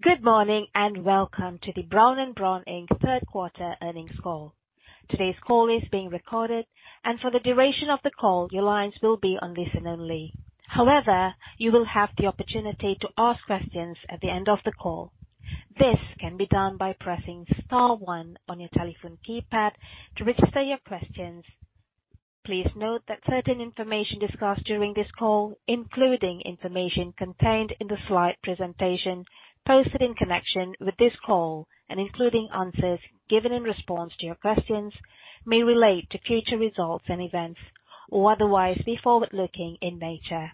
Good morning, and welcome to the Brown & Brown, Inc. Third Quarter Earnings Call. Today's call is being recorded, and for the duration of the call, your lines will be on listen only. However, you will have the opportunity to ask questions at the end of the call. This can be done by pressing star one on your telephone keypad to register your questions. Please note that certain information discussed during this call, including information contained in the slide presentation posted in connection with this call, and including answers given in response to your questions, may relate to future results and events or otherwise be forward-looking in nature.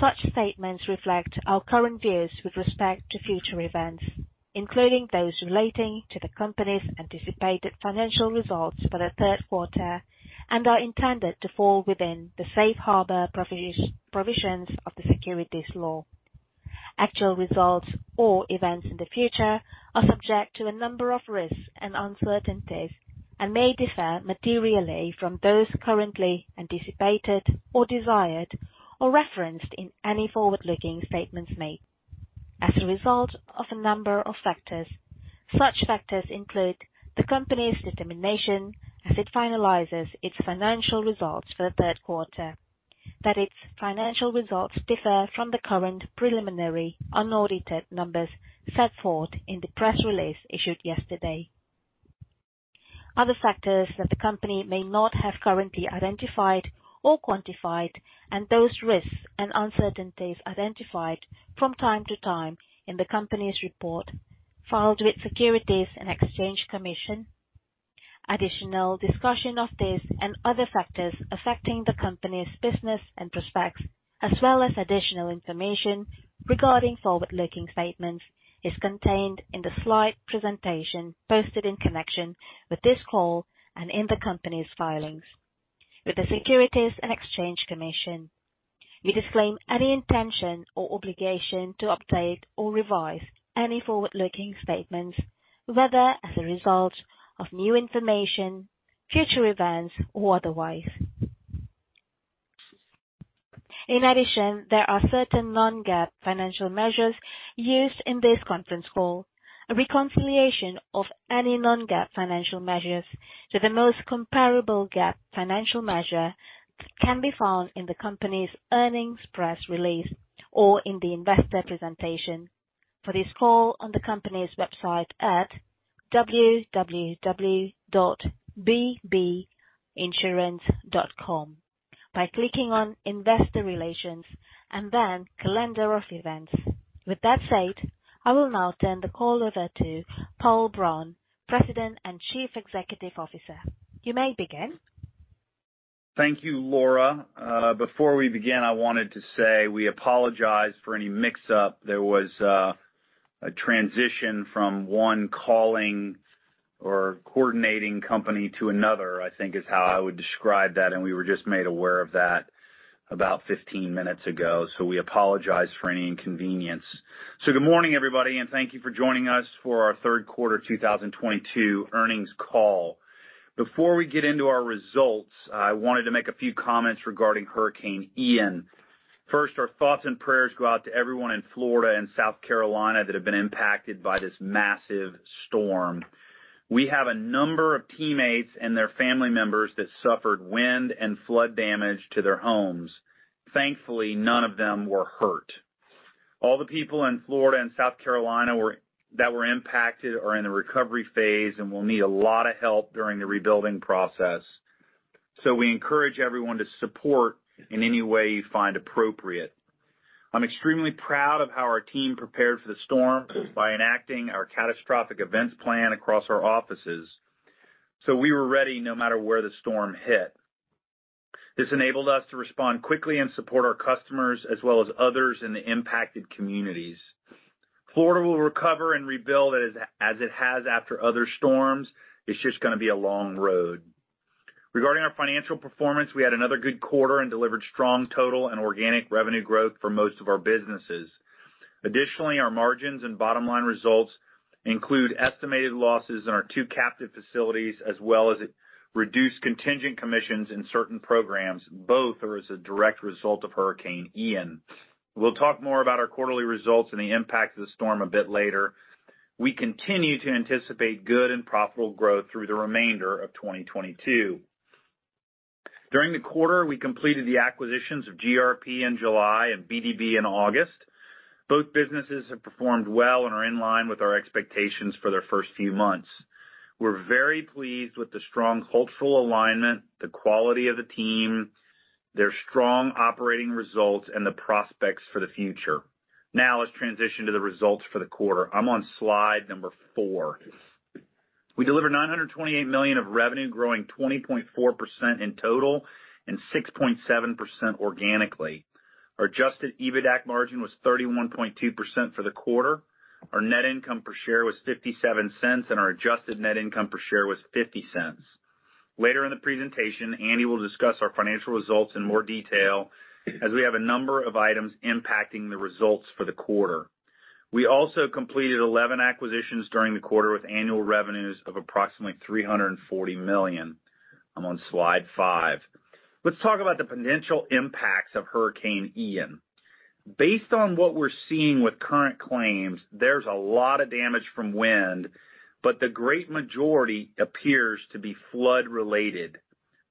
Such statements reflect our current views with respect to future events, including those relating to the company's anticipated financial results for the third quarter, and are intended to fall within the safe harbor provisions of the securities law. Actual results or events in the future are subject to a number of risks and uncertainties and may differ materially from those currently anticipated or desired or referenced in any forward-looking statements made. As a result of a number of factors. Such factors include the company's determination as it finalizes its financial results for the third quarter, that its financial results differ from the current preliminary unaudited numbers set forth in the press release issued yesterday. Other factors that the company may not have currently identified or quantified, and those risks and uncertainties identified from time to time in the company's report filed with Securities and Exchange Commission. Additional discussion of this and other factors affecting the company's business and prospects, as well as additional information regarding forward-looking statements, is contained in the slide presentation posted in connection with this call and in the company's filings with the Securities and Exchange Commission. We disclaim any intention or obligation to update or revise any forward-looking statements, whether as a result of new information, future events, or otherwise. In addition, there are certain non-GAAP financial measures used in this conference call. A reconciliation of any non-GAAP financial measures to the most comparable GAAP financial measure can be found in the company's earnings press release or in the investor presentation for this call on the company's website at www.bbinsurance.com by clicking on Investor Relations and then Calendar of Events. With that said, I will now turn the call over to J. Powell Brown, President and Chief Executive Officer. You may begin. Thank you, Laura. Before we begin, I wanted to say we apologize for any mix up. There was a transition from one calling or coordinating company to another, I think is how I would describe that, and we were just made aware of that about 15 minutes ago. We apologize for any inconvenience. Good morning, everybody, and thank you for joining us for our Third Quarter 2022 Earnings Call. Before we get into our results, I wanted to make a few comments regarding Hurricane Ian. First, our thoughts and prayers go out to everyone in Florida and South Carolina that have been impacted by this massive storm. We have a number of teammates and their family members that suffered wind and flood damage to their homes. Thankfully, none of them were hurt. All the people in Florida and South Carolina that were impacted are in the recovery phase and will need a lot of help during the rebuilding process. We encourage everyone to support in any way you find appropriate. I'm extremely proud of how our team prepared for the storm by enacting our catastrophic events plan across our offices. We were ready no matter where the storm hit. This enabled us to respond quickly and support our customers as well as others in the impacted communities. Florida will recover and rebuild as it has after other storms. It's just gonna be a long road. Regarding our financial performance, we had another good quarter and delivered strong total and organic revenue growth for most of our businesses. Our margins and bottom-line results include estimated losses in our two captive facilities, as well as reduced contingent commissions in certain programs, both as a direct result of Hurricane Ian. We'll talk more about our quarterly results and the impact of the storm a bit later. We continue to anticipate good and profitable growth through the remainder of 2022. During the quarter, we completed the acquisitions of GRP in July and BdB in August. Both businesses have performed well and are in line with our expectations for their first few months. We're very pleased with the strong cultural alignment, the quality of the team, their strong operating results, and the prospects for the future. Now let's transition to the results for the quarter. I'm on slide number 4. We delivered $928 million of revenue growing 20.4% in total and 6.7% organically. Our Adjusted EBITDAC margin was 31.2% for the quarter. Our net income per share was $0.57, and our adjusted net income per share was $0.50. Later in the presentation, Andy will discuss our financial results in more detail as we have a number of items impacting the results for the quarter. We also completed 11 acquisitions during the quarter with annual revenues of approximately $340 million. I'm on slide 5. Let's talk about the potential impacts of Hurricane Ian. Based on what we're seeing with current claims, there's a lot of damage from wind, but the great majority appears to be flood related.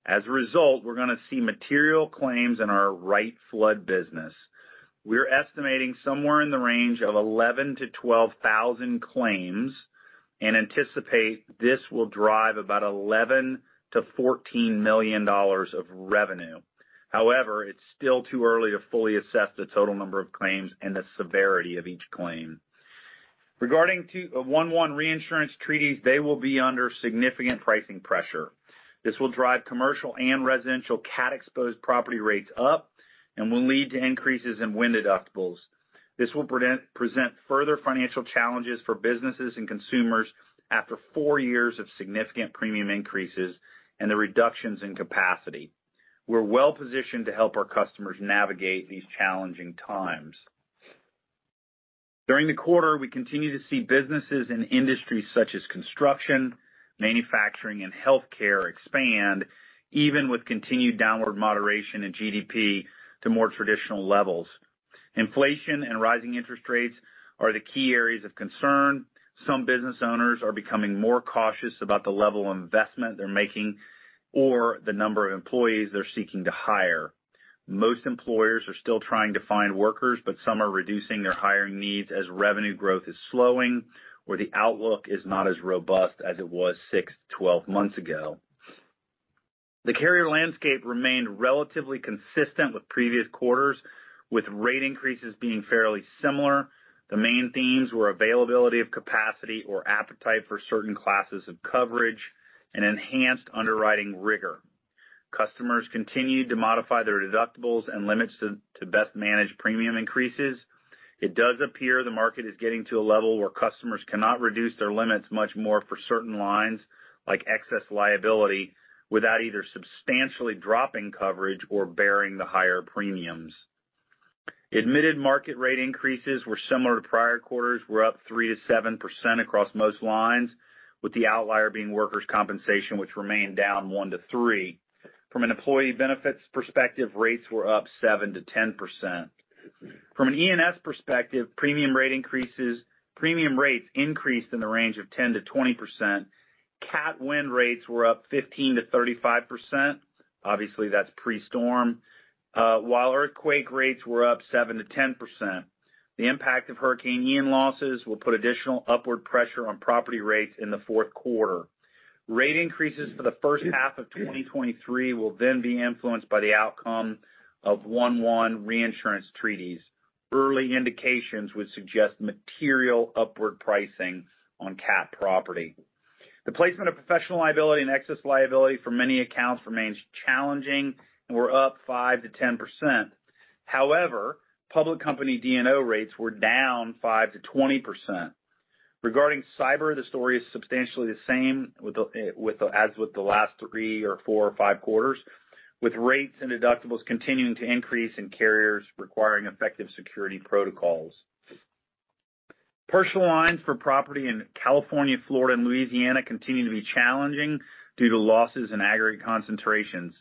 As a result, we're gonna see material claims in our Wright Flood business. We're estimating somewhere in the range of 11,000-12,000 claims and anticipate this will drive about $11-$14 million of revenue. However, it's still too early to fully assess the total number of claims and the severity of each claim. Regarding 1/1 reinsurance treaties, they will be under significant pricing pressure. This will drive commercial and residential cat-exposed property rates up and will lead to increases in wind deductibles. This will present further financial challenges for businesses and consumers after 4 years of significant premium increases and the reductions in capacity. We're well-positioned to help our customers navigate these challenging times. During the quarter, we continue to see businesses in industries such as construction, manufacturing, and health care expand, even with continued downward moderation in GDP to more traditional levels. Inflation and rising interest rates are the key areas of concern. Some business owners are becoming more cautious about the level of investment they're making or the number of employees they're seeking to hire. Most employers are still trying to find workers, but some are reducing their hiring needs as revenue growth is slowing or the outlook is not as robust as it was 6-12 months ago. The carrier landscape remained relatively consistent with previous quarters, with rate increases being fairly similar. The main themes were availability of capacity or appetite for certain classes of coverage and enhanced underwriting rigor. Customers continued to modify their deductibles and limits to best manage premium increases. It does appear the market is getting to a level where customers cannot reduce their limits much more for certain lines, like excess liability, without either substantially dropping coverage or bearing the higher premiums. Admitted market rate increases were similar to prior quarters, were up 3%-7% across most lines, with the outlier being workers' compensation, which remained down 1-3%. From an employee benefits perspective, rates were up 7%-10%. From an E&S perspective, premium rates increased in the range of 10%-20%. Cat wind rates were up 15%-35%. Obviously, that's pre-storm. While earthquake rates were up 7%-10%. The impact of Hurricane Ian losses will put additional upward pressure on property rates in the fourth quarter. Rate increases for the first half of 2023 will then be influenced by the outcome of 1/1 reinsurance treaties. Early indications would suggest material upward pricing on cat property. The placement of professional liability and excess liability for many accounts remains challenging and were up 5%-10%. However, public company D&O rates were down 5%-20%. Regarding cyber, the story is substantially the same as with the last three or four or five quarters, with rates and deductibles continuing to increase and carriers requiring effective security protocols. Personal lines for property in California, Florida, and Louisiana continue to be challenging due to losses in aggregate concentrations.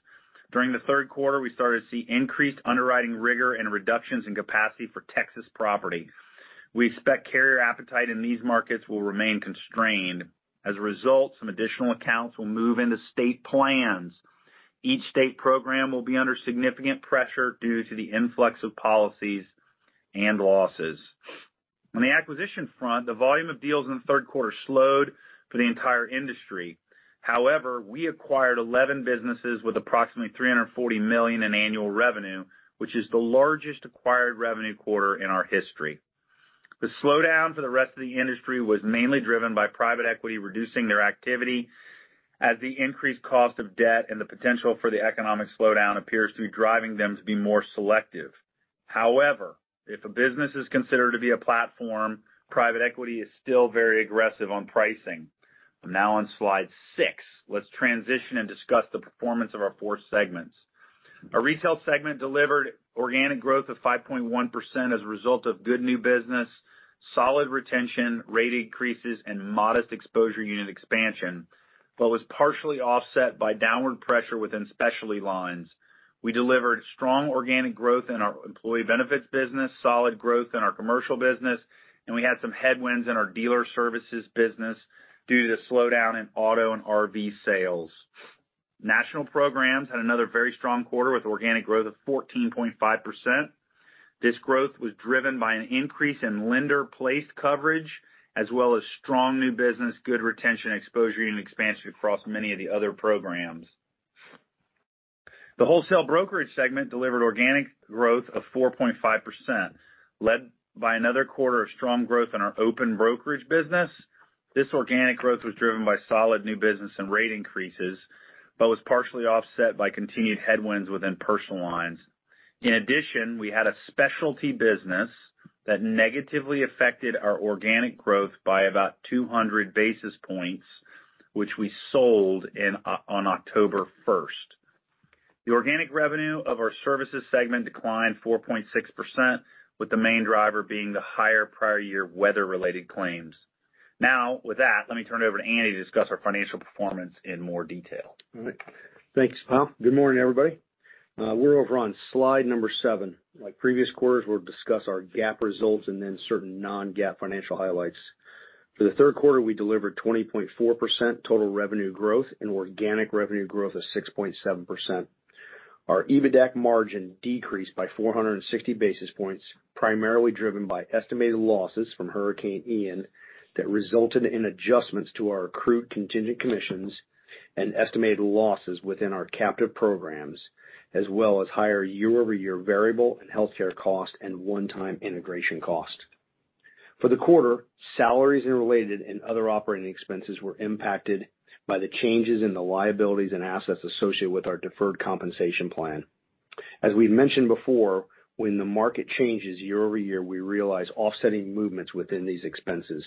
During the third quarter, we started to see increased underwriting rigor and reductions in capacity for Texas property. We expect carrier appetite in these markets will remain constrained. As a result, some additional accounts will move into state plans. Each state program will be under significant pressure due to the influx of policies and losses. On the acquisition front, the volume of deals in the third quarter slowed for the entire industry. However, we acquired 11 businesses with approximately $340 million in annual revenue, which is the largest acquired revenue quarter in our history. The slowdown for the rest of the industry was mainly driven by private equity reducing their activity as the increased cost of debt and the potential for the economic slowdown appears to be driving them to be more selective. However, if a business is considered to be a platform, private equity is still very aggressive on pricing. I'm now on slide 6. Let's transition and discuss the performance of our four segments. Our retail segment delivered organic growth of 5.1% as a result of good new business, solid retention, rate increases, and modest exposure unit expansion, but was partially offset by downward pressure within specialty lines. We delivered strong organic growth in our employee benefits business, solid growth in our commercial business, and we had some headwinds in our dealer services business due to the slowdown in auto and RV sales. National programs had another very strong quarter with organic growth of 14.5%. This growth was driven by an increase in lender-placed coverage as well as strong new business, good retention, exposure, and expansion across many of the other programs. The wholesale brokerage segment delivered organic growth of 4.5%, led by another quarter of strong growth in our open brokerage business. This organic growth was driven by solid new business and rate increases, but was partially offset by continued headwinds within personal lines.In addition, we had a specialty business that negatively affected our organic growth by about 200 basis points, which we sold in Q4 on October 1st. The organic revenue of our services segment declined 4.6%, with the main driver being the higher prior year weather-related claims. Now, with that, let me turn it over to Andy to discuss our financial performance in more detail. All right. Thanks, Powell. Good morning, everybody. We're over on slide number 7. Like previous quarters, we'll discuss our GAAP results and then certain non-GAAP financial highlights. For the third quarter, we delivered 20.4% total revenue growth and organic revenue growth of 6.7%. Our EBITDAC margin decreased by 460 basis points, primarily driven by estimated losses from Hurricane Ian that resulted in adjustments to our accrued contingent commissions and estimated losses within our captive programs, as well as higher year-over-year variable and healthcare costs and one-time integration costs. For the quarter, salaries and related and other operating expenses were impacted by the changes in the liabilities and assets associated with our deferred compensation plan. As we've mentioned before, when the market changes year-over-year, we realize offsetting movements within these expenses.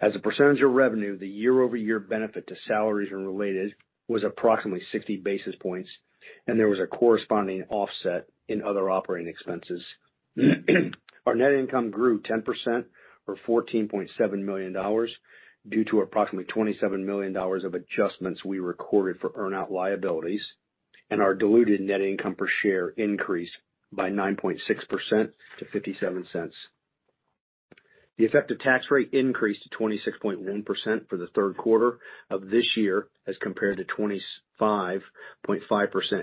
As a percentage of revenue, the year-over-year benefit to salaries and related was approximately 60 basis points, and there was a corresponding offset in other operating expenses. Our net income grew 10% or $14.7 million due to approximately $27 million of adjustments we recorded for earn-out liabilities, and our diluted net income per share increased by 9.6% to $0.57. The effective tax rate increased to 26.1% for the third quarter of this year as compared to 25.5%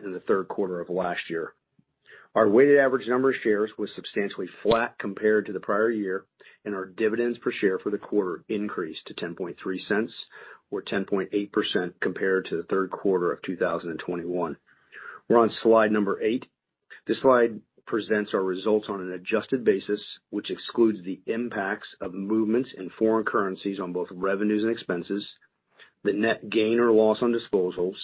in the third quarter of last year. Our weighted average number of shares was substantially flat compared to the prior year, and our dividends per share for the quarter increased to $0.103 or 10.8% compared to the third quarter of 2021. We're on slide number 8. This slide presents our results on an adjusted basis, which excludes the impacts of movements in foreign currencies on both revenues and expenses, the net gain or loss on disposals,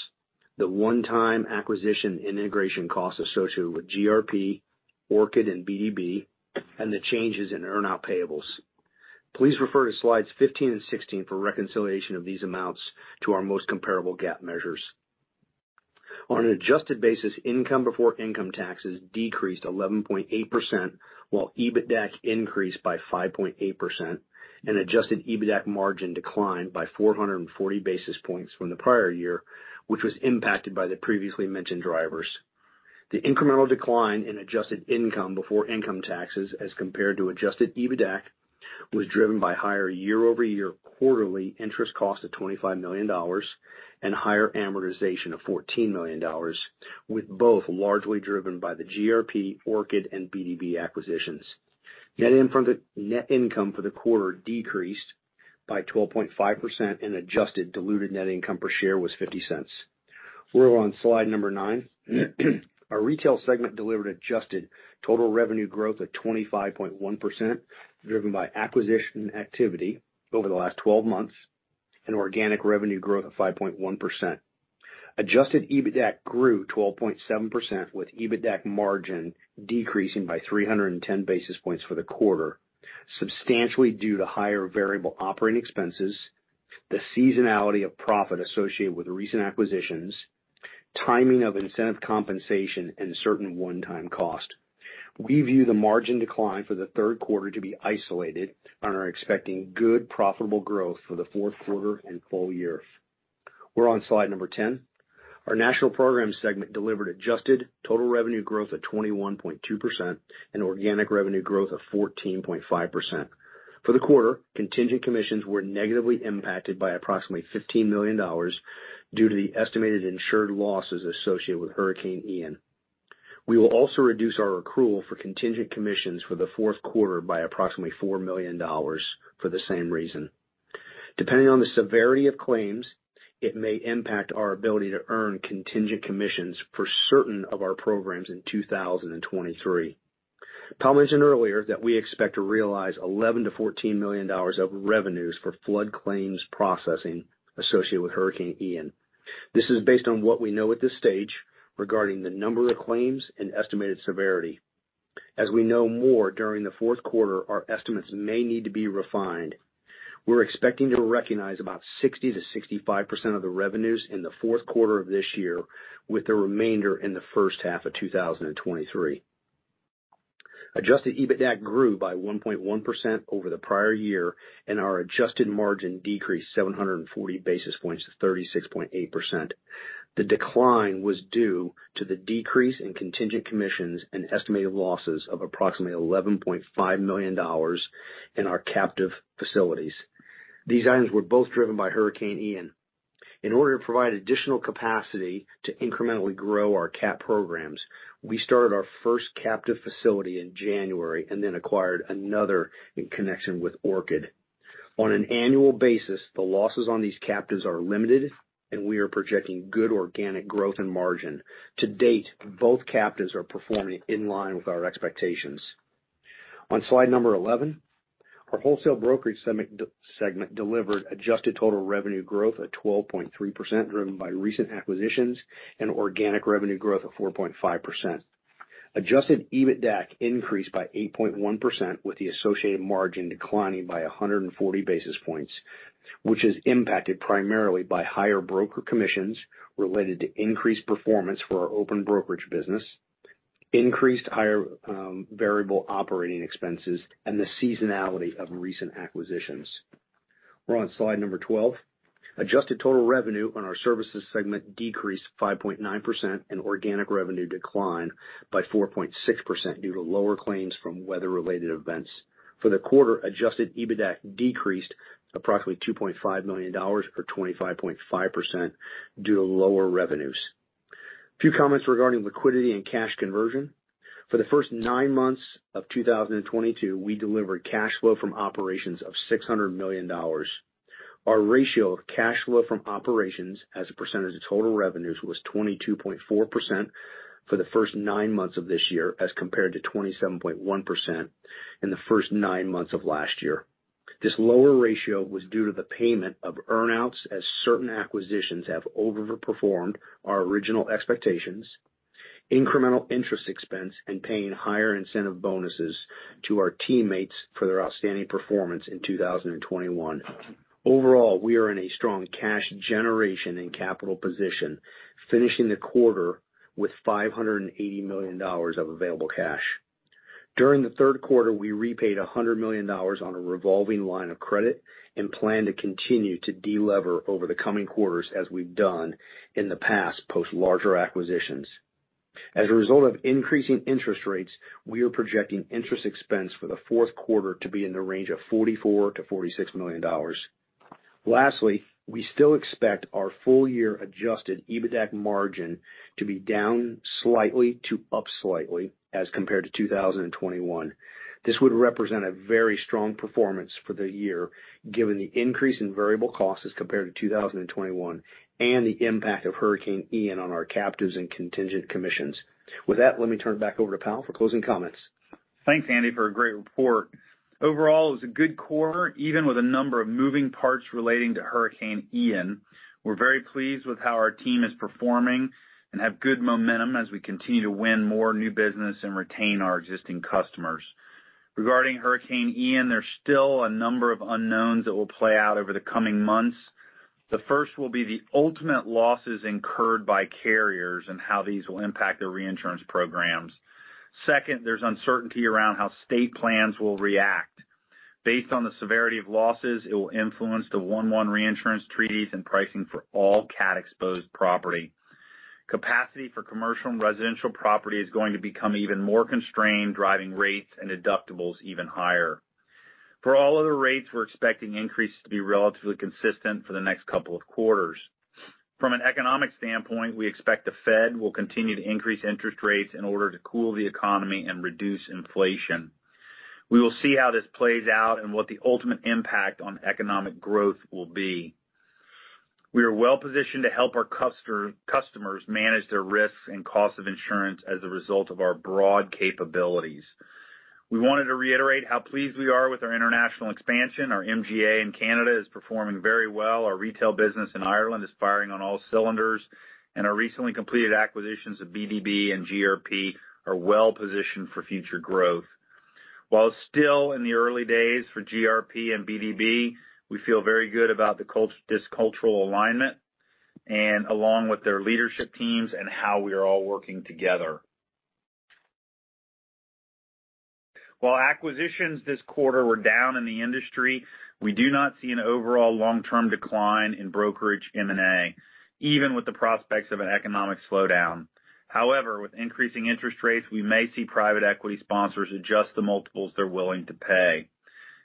the one-time acquisition integration costs associated with GRP, Orchid, and BdB, and the changes in earn-out payables. Please refer to slides 15 and 16 for reconciliation of these amounts to our most comparable GAAP measures. On an adjusted basis, income before income taxes decreased 11.8%, while EBITDAC increased by 5.8%, and Adjusted EBITDAC margin declined by 440 basis points from the prior year, which was impacted by the previously mentioned drivers. The incremental decline in adjusted income before income taxes as compared to Adjusted EBITDAC was driven by higher year-over-year quarterly interest cost of $25 million and higher amortization of $14 million, with both largely driven by the GRP, Orchid and BdB acquisitions. Net income for the quarter decreased by 12.5%, and adjusted diluted net income per share was $0.50. We're on slide 9. Our retail segment delivered adjusted total revenue growth of 25.1%, driven by acquisition activity over the last 12 months and organic revenue growth of 5.1%. Adjusted EBITDAC grew 12.7%, with EBITDAC margin decreasing by 310 basis points for the quarter, substantially due to higher variable operating expenses, the seasonality of profit associated with recent acquisitions, timing of incentive compensation and certain one-time cost. We view the margin decline for the third quarter to be isolated and are expecting good profitable growth for the fourth quarter and full year. We're on slide number 10. Our national program segment delivered adjusted total revenue growth of 21.2% and organic revenue growth of 14.5%. For the quarter, contingent commissions were negatively impacted by approximately $15 million due to the estimated insured losses associated with Hurricane Ian. We will also reduce our accrual for contingent commissions for the fourth quarter by approximately $4 million for the same reason. Depending on the severity of claims, it may impact our ability to earn contingent commissions for certain of our programs in 2023. Tom mentioned earlier that we expect to realize $11 million-$14 million of revenues for flood claims processing associated with Hurricane Ian. This is based on what we know at this stage regarding the number of claims and estimated severity. As we know more during the fourth quarter, our estimates may need to be refined. We're expecting to recognize about 60%-65% of the revenues in the fourth quarter of this year, with the remainder in the first half of 2023. Adjusted EBITDAC grew by 1.1% over the prior year, and our adjusted margin decreased 740 basis points to 36.8%. The decline was due to the decrease in contingent commissions and estimated losses of approximately $11.5 million in our captive facilities. These items were both driven by Hurricane Ian. In order to provide additional capacity to incrementally grow our cap programs, we started our first captive facility in January and then acquired another in connection with Orchid. On an annual basis, the losses on these captives are limited, and we are projecting good organic growth and margin. To date, both captives are performing in line with our expectations. On slide 11, our wholesale brokerage segment delivered adjusted total revenue growth at 12.3%, driven by recent acquisitions and organic revenue growth of 4.5%. Adjusted EBITDAC increased by 8.1% with the associated margin declining by 140 basis points, which is impacted primarily by higher broker commissions related to increased performance for our open brokerage business, increased variable operating expenses, and the seasonality of recent acquisitions. We're on slide 12. Adjusted total revenue on our services segment decreased 5.9%, and organic revenue declined by 4.6% due to lower claims from weather-related events. For the quarter, Adjusted EBITDAC decreased approximately $2.5 million, or 25.5% due to lower revenues. A few comments regarding liquidity and cash conversion. For the first 9 months of 2022, we delivered cash flow from operations of $600 million. Our ratio of cash flow from operations as a percentage of total revenues was 22.4% for the first 9 months of this year as compared to 27.1% in the first 9 months of last year. This lower ratio was due to the payment of earnouts as certain acquisitions have overperformed our original expectations, incremental interest expense, and paying higher incentive bonuses to our teammates for their outstanding performance in 2021. Overall, we are in a strong cash generation and capital position, finishing the quarter with $580 million of available cash. During the third quarter, we repaid $100 million on a revolving line of credit and plan to continue to delever over the coming quarters as we've done in the past post larger acquisitions. As a result of increasing interest rates, we are projecting interest expense for the fourth quarter to be in the range of $44 million-$46 million. Lastly, we still expect our full year Adjusted EBITDAC margin to be down slightly to up slightly as compared to 2021. This would represent a very strong performance for the year given the increase in variable costs as compared to 2021 and the impact of Hurricane Ian on our captives and contingent commissions. With that, let me turn it back over to Powell for closing comments. Thanks, Andy, for a great report. Overall, it was a good quarter, even with a number of moving parts relating to Hurricane Ian. We're very pleased with how our team is performing and have good momentum as we continue to win more new business and retain our existing customers. Regarding Hurricane Ian, there's still a number of unknowns that will play out over the coming months. The first will be the ultimate losses incurred by carriers and how these will impact their reinsurance programs. Second, there's uncertainty around how state plans will react. Based on the severity of losses, it will influence the 1/1 reinsurance treaties and pricing for all cat-exposed property. Capacity for commercial and residential property is going to become even more constrained, driving rates and deductibles even higher. For all other rates, we're expecting increases to be relatively consistent for the next couple of quarters. From an economic standpoint, we expect the Fed will continue to increase interest rates in order to cool the economy and reduce inflation. We will see how this plays out and what the ultimate impact on economic growth will be. We are well positioned to help our customers manage their risks and costs of insurance as a result of our broad capabilities. We wanted to reiterate how pleased we are with our international expansion. Our MGA in Canada is performing very well. Our retail business in Ireland is firing on all cylinders. Our recently completed acquisitions of BdB and GRP are well positioned for future growth. While still in the early days for GRP and BdB, we feel very good about this cultural alignment and along with their leadership teams and how we are all working together. While acquisitions this quarter were down in the industry, we do not see an overall long-term decline in brokerage M&A, even with the prospects of an economic slowdown. However, with increasing interest rates, we may see private equity sponsors adjust the multiples they're willing to pay.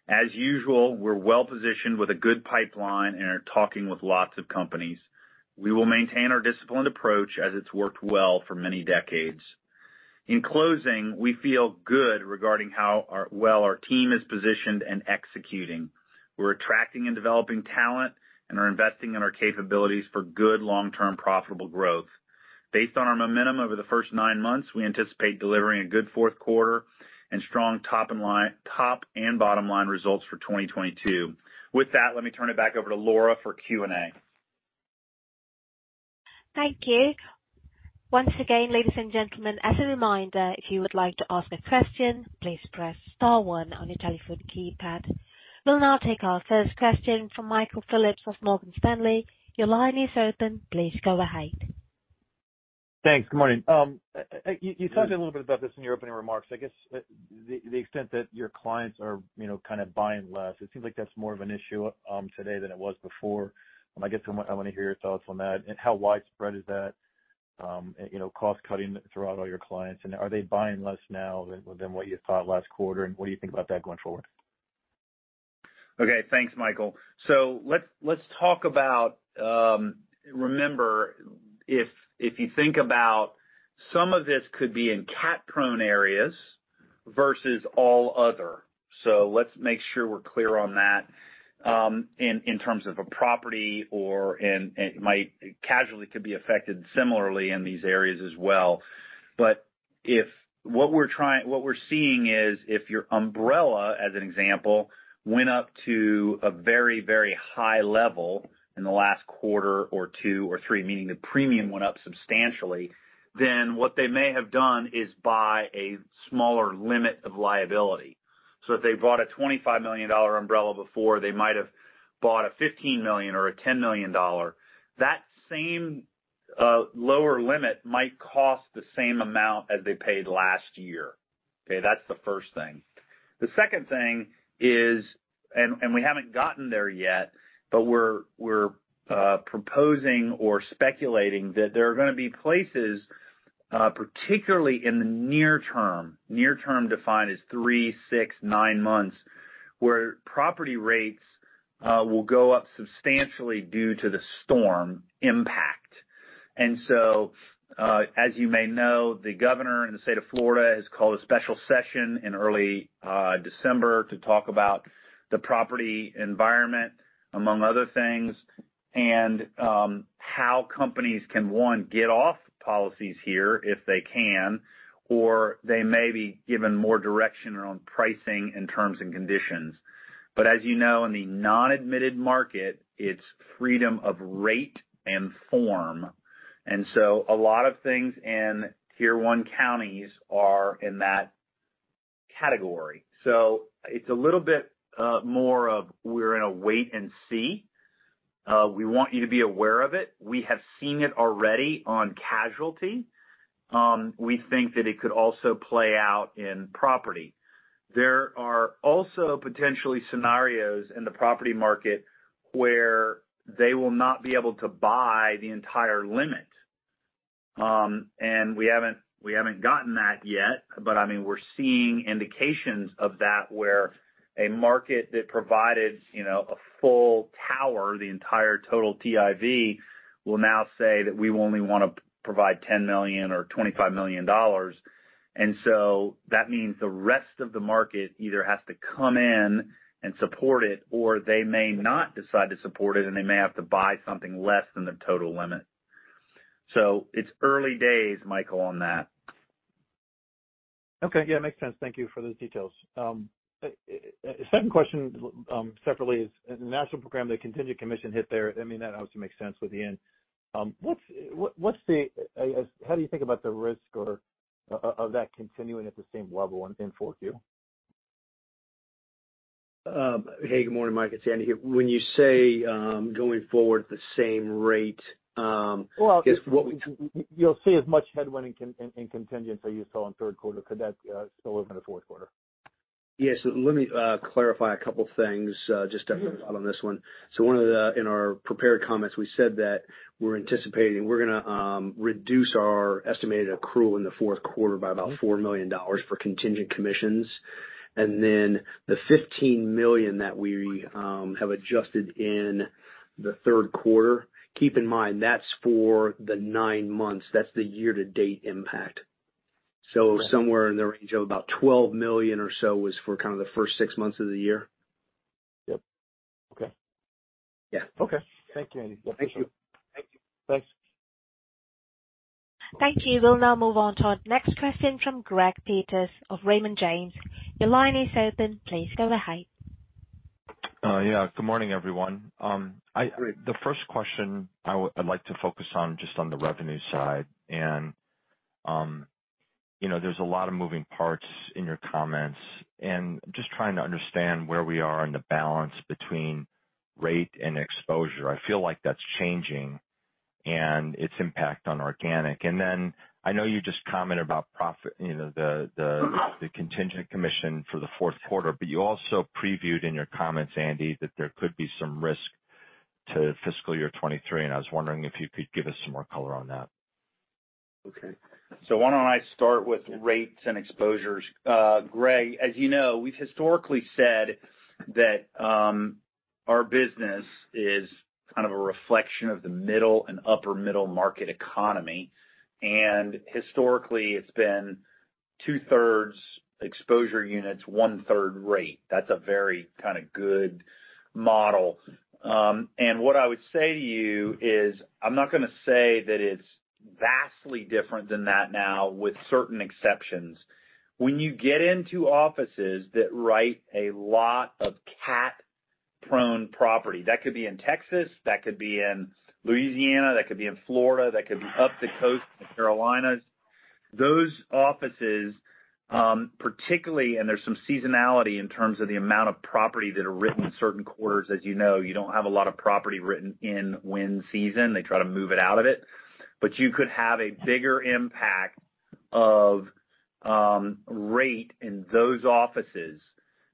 As usual, we're well positioned with a good pipeline and are talking with lots of companies. We will maintain our disciplined approach as it's worked well for many decades. In closing, we feel good regarding how our team is positioned and executing. We're attracting and developing talent and are investing in our capabilities for good long-term profitable growth. Based on our momentum over the first 9 months, we anticipate delivering a good fourth quarter and strong top and bottom-line results for 2022. With that, let me turn it back over to Laura for Q&A. Thank you. Once again, ladies and gentlemen, as a reminder, if you would like to ask a question, please press star one on your telephone keypad. We'll now take our first question from Michael Phillips of Morgan Stanley. Your line is open. Please go ahead. Thanks. Good morning. You talked a little bit about this in your opening remarks. I guess the extent that your clients are, you know, kind of buying less, it seems like that's more of an issue today than it was before. I guess I want to hear your thoughts on that and how widespread is that, you know, cost cutting throughout all your clients. Are they buying less now than what you thought last quarter, and what do you think about that going forward? Okay. Thanks, Michael. Let's talk about remember, if you think about some of this could be in cat-prone areas versus all other. Let's make sure we're clear on that, in terms of a property or casualty could be affected similarly in these areas as well. What we're seeing is if your umbrella, as an example, went up to a very, very high level in the last quarter or two or three, meaning the premium went up substantially, then what they may have done is buy a smaller limit of liability. If they bought a $25 million umbrella before, they might have bought a $15 million or a $10 million dollar. That same lower limit might cost the same amount as they paid last year. Okay. That's the first thing. The second thing is, and we haven't gotten there yet, but we're proposing or speculating that there are gonna be places, particularly in the near term, near term defined as 3, 6, 9 months, where property rates will go up substantially due to the storm impact. As you may know, the governor in the state of Florida has called a special session in early December to talk about the property environment, among other things, and how companies can, one, get off policies here if they can, or they may be given more direction around pricing and terms and conditions. But as you know, in the non-admitted market, it's freedom of rate and form. A lot of things in Tier One Countries are in that category. It's a little bit more of we're in a wait and see. We want you to be aware of it. We have seen it already on casualty. We think that it could also play out in property. There are also potentially scenarios in the property market where they will not be able to buy the entire limit. We haven't gotten that yet, but I mean, we're seeing indications of that where a market that provided, you know, a full tower, the entire total TIV, will now say that we only wanna provide $10 million or $25 million. That means the rest of the market either has to come in and support it, or they may not decide to support it, and they may have to buy something less than the total limit. It's early days, Michael, on that. Okay. Yeah, it makes sense. Thank you for those details. Second question separately is the national program, the contingent commission hit there. I mean, that obviously makes sense with the end. What's the, I guess, how do you think about the risk or of that continuing at the same level in fourth Q? Hey, good morning, Mike. It's Andy here. When you say going forward the same rate, I guess what we Well, you'll see as much headwind in contingents that you saw in third quarter. Could that spill over into fourth quarter? Yes. Let me clarify a couple things just to follow up on this one. One of the, in our prepared comments, we said that we're anticipating gonna reduce our estimated accrual in the fourth quarter by about $4 million for contingent commissions. Then the $15 million that we have adjusted in the third quarter, keep in mind, that's for the 9 months. That's the year-to-date impact. Somewhere in the range of about $12 million or so was for kind of the first six months of the year. Yep. Okay. Yeah. Okay. Thank you, Andy. Thank you. Thank you. Thanks. Thank you. We'll now move on to our next question from Gregory Peters of Raymond James. Your line is open. Please go ahead. Yeah, good morning, everyone. Great. The first question I'd like to focus on just on the revenue side. You know, there's a lot of moving parts in your comments, and just trying to understand where we are in the balance between rate and exposure. I feel like that's changing and its impact on organic. I know you just commented about profit, you know, the contingent commission for the fourth quarter, but you also previewed in your comments, Andy, that there could be some risk to fiscal year 2023, and I was wondering if you could give us some more color on that. Okay. Why don't I start with rates and exposures? Greg, as you know, we've historically said that our business is kind of a reflection of the middle and upper middle market economy. Historically, it's been two-thirds exposure units, one-third rate. That's a very kind of good model. What I would say to you is, I'm not gonna say that it's vastly different than that now with certain exceptions. When you get into offices that write a lot of cat-prone property, that could be in Texas, that could be in Louisiana, that could be in Florida, that could be up the coast of the Carolinas. Those offices, particularly, and there's some seasonality in terms of the amount of property that are written in certain quarters. As you know, you don't have a lot of property written in wind season. They try to move it out of it. You could have a bigger impact of rate in those offices.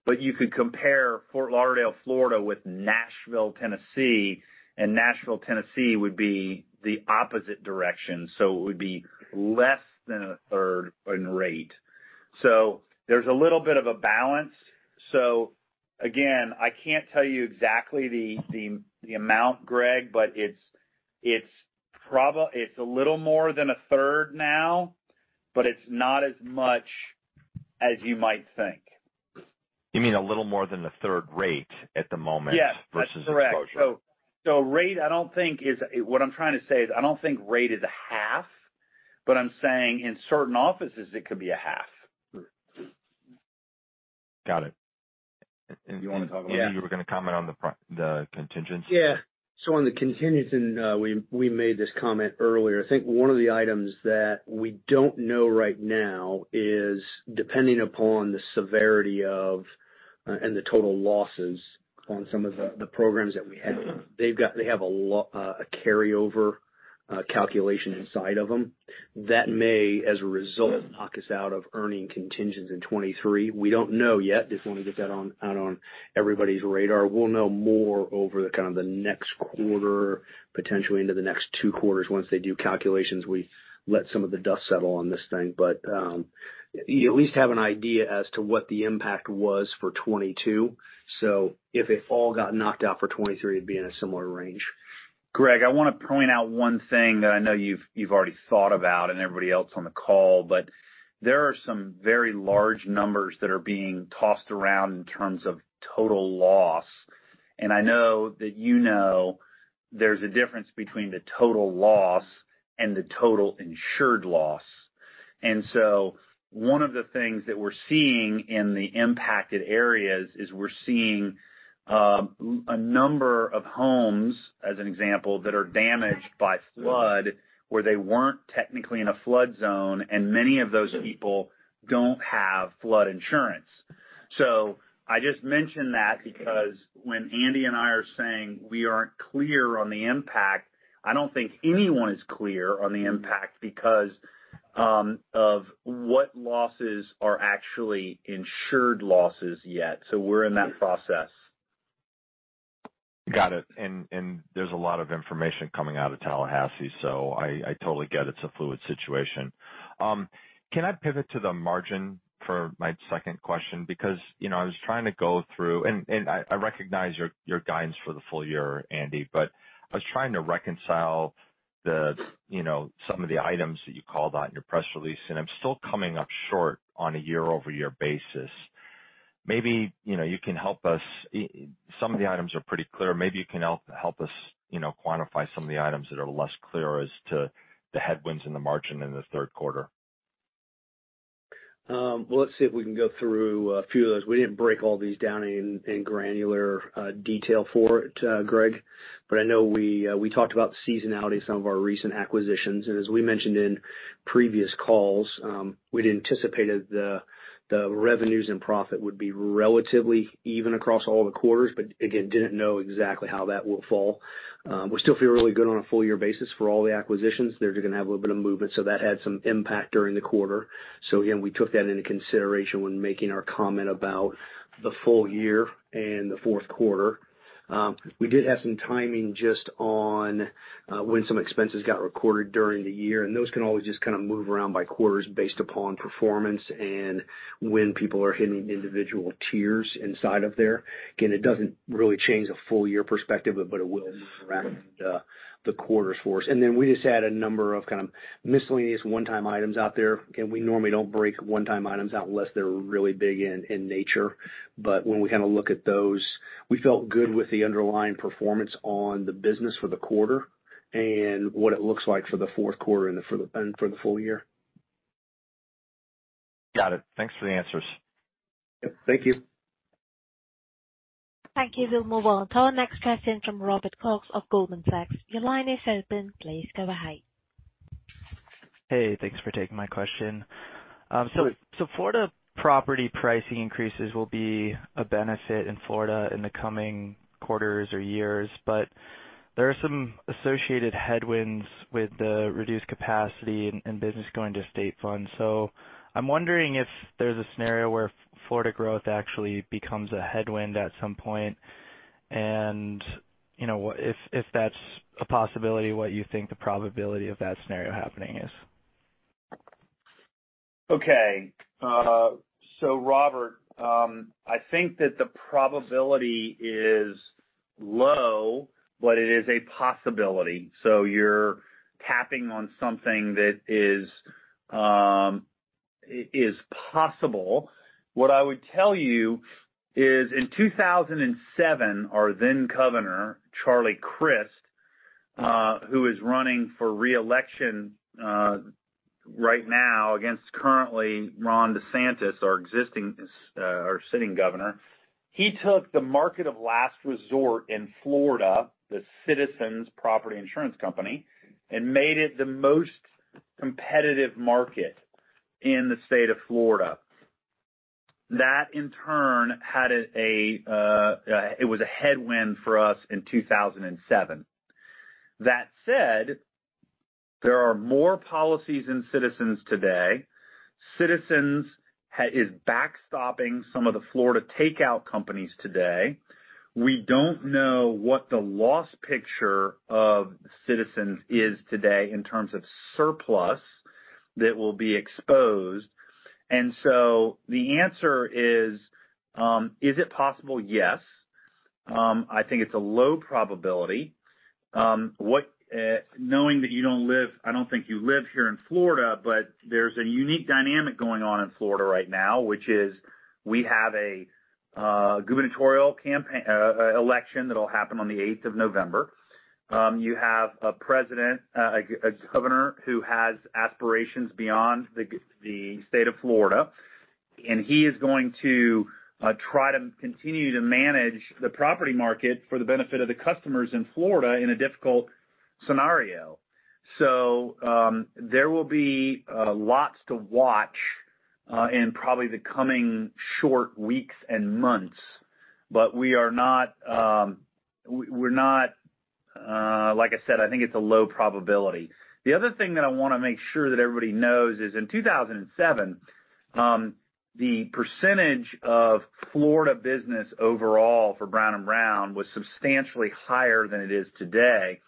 You could compare Fort Lauderdale, Florida, with Nashville, Tennessee, and Nashville, Tennessee, would be the opposite direction. It would be less than a third in rate. There's a little bit of a balance. Again, I can't tell you exactly the amount, Greg, but it's a little more than a third now, but it's not as much as you might think. You mean a little more than a third rate at the moment? Yes, that's correct. versus exposure. What I'm trying to say is I don't think rate is a half, but I'm saying in certain offices it could be a half. Got it. You want to talk about it? Yeah. You were going to comment on the contingents. Yeah. On the contingent, we made this comment earlier. I think one of the items that we don't know right now is depending upon the severity of and the total losses on some of the programs that we have. They have a carryover calculation inside of them. That may, as a result, knock us out of earning contingents in 2023. We don't know yet. Just want to get that out on everybody's radar. We'll know more over the kind of the next quarter, potentially into the next two quarters. Once they do calculations, we let some of the dust settle on this thing. You at least have an idea as to what the impact was for 2022. If it all got knocked out for 2023, it'd be in a similar range. Greg, I want to point out one thing that I know you've already thought about and everybody else on the call, but there are some very large numbers that are being tossed around in terms of total loss. I know that you know there's a difference between the total loss and the total insured loss. One of the things that we're seeing in the impacted areas is we're seeing a number of homes, as an example, that are damaged by flood where they weren't technically in a flood zone, and many of those people don't have flood insurance. I just mention that because when Andy and I are saying we aren't clear on the impact, I don't think anyone is clear on the impact because of what losses are actually insured losses yet. We're in that process. Got it. There's a lot of information coming out of Tallahassee, so I totally get it's a fluid situation. Can I pivot to the margin for my second question? Because, you know, I was trying to go through, and I recognize your guidance for the full year, Andy, but I was trying to reconcile, you know, some of the items that you called out in your press release, and I'm still coming up short on a year-over-year basis. Maybe, you know, you can help us. Some of the items are pretty clear. Maybe you can help us, you know, quantify some of the items that are less clear as to the headwinds in the margin in the third quarter. Well, let's see if we can go through a few of those. We didn't break all these down in granular detail for it, Greg, but I know we talked about the seasonality of some of our recent acquisitions. As we mentioned in previous calls, we'd anticipated the revenues and profit would be relatively even across all the quarters, but again, didn't know exactly how that will fall. We still feel really good on a full year basis for all the acquisitions. They're just gonna have a little bit of movement, so that had some impact during the quarter. Again, we took that into consideration when making our comment about the full year and the fourth quarter. We did have some timing just on when some expenses got recorded during the year, and those can always just kind of move around by quarters based upon performance and when people are hitting individual tiers inside of there. Again, it doesn't really change the full year perspective, but it will wrap the quarters for us. We just had a number of kind of miscellaneous one-time items out there. Again, we normally don't break one-time items out unless they're really big in nature. When we kind of look at those, we felt good with the underlying performance on the business for the quarter and what it looks like for the fourth quarter and for the full year. Got it. Thanks for the answers. Yep. Thank you. Thank you. We'll move on to our next question from Robert Cox of Goldman Sachs. Your line is open. Please go ahead. Hey, thanks for taking my question. Florida property pricing increases will be a benefit in Florida in the coming quarters or years, but there are some associated headwinds with the reduced capacity and business going to state funds. I'm wondering if there's a scenario where Florida growth actually becomes a headwind at some point. You know, if that's a possibility, what you think the probability of that scenario happening is. Okay. Robert, I think that the probability is low, but it is a possibility. You're tapping on something that is possible. What I would tell you is in 2007, our then governor, Charlie Crist, who is running for re-election, right now against currently Ron DeSantis, our existing, our sitting governor. He took the market of last resort in Florida, the Citizens Property Insurance Corporation, and made it the most competitive market in the state of Florida. That, in turn, it was a headwind for us in 2007. That said, there are more policies in Citizens today. Citizens is backstopping some of the Florida takeout companies today. We don't know what the loss picture of Citizens is today in terms of surplus that will be exposed. The answer is it possible? Yes. I think it's a low probability. I don't think you live here in Florida, but there's a unique dynamic going on in Florida right now, which is we have a gubernatorial election that'll happen on the 8th of November. You have a governor who has aspirations beyond the state of Florida, and he is going to try to continue to manage the property market for the benefit of the customers in Florida in a difficult scenario. There will be lots to watch in probably the coming short weeks and months. We're not, like I said, I think it's a low probability. The other thing that I wanna make sure that everybody knows is in 2007, the percentage of Florida business overall for Brown & Brown was substantially higher than it is today.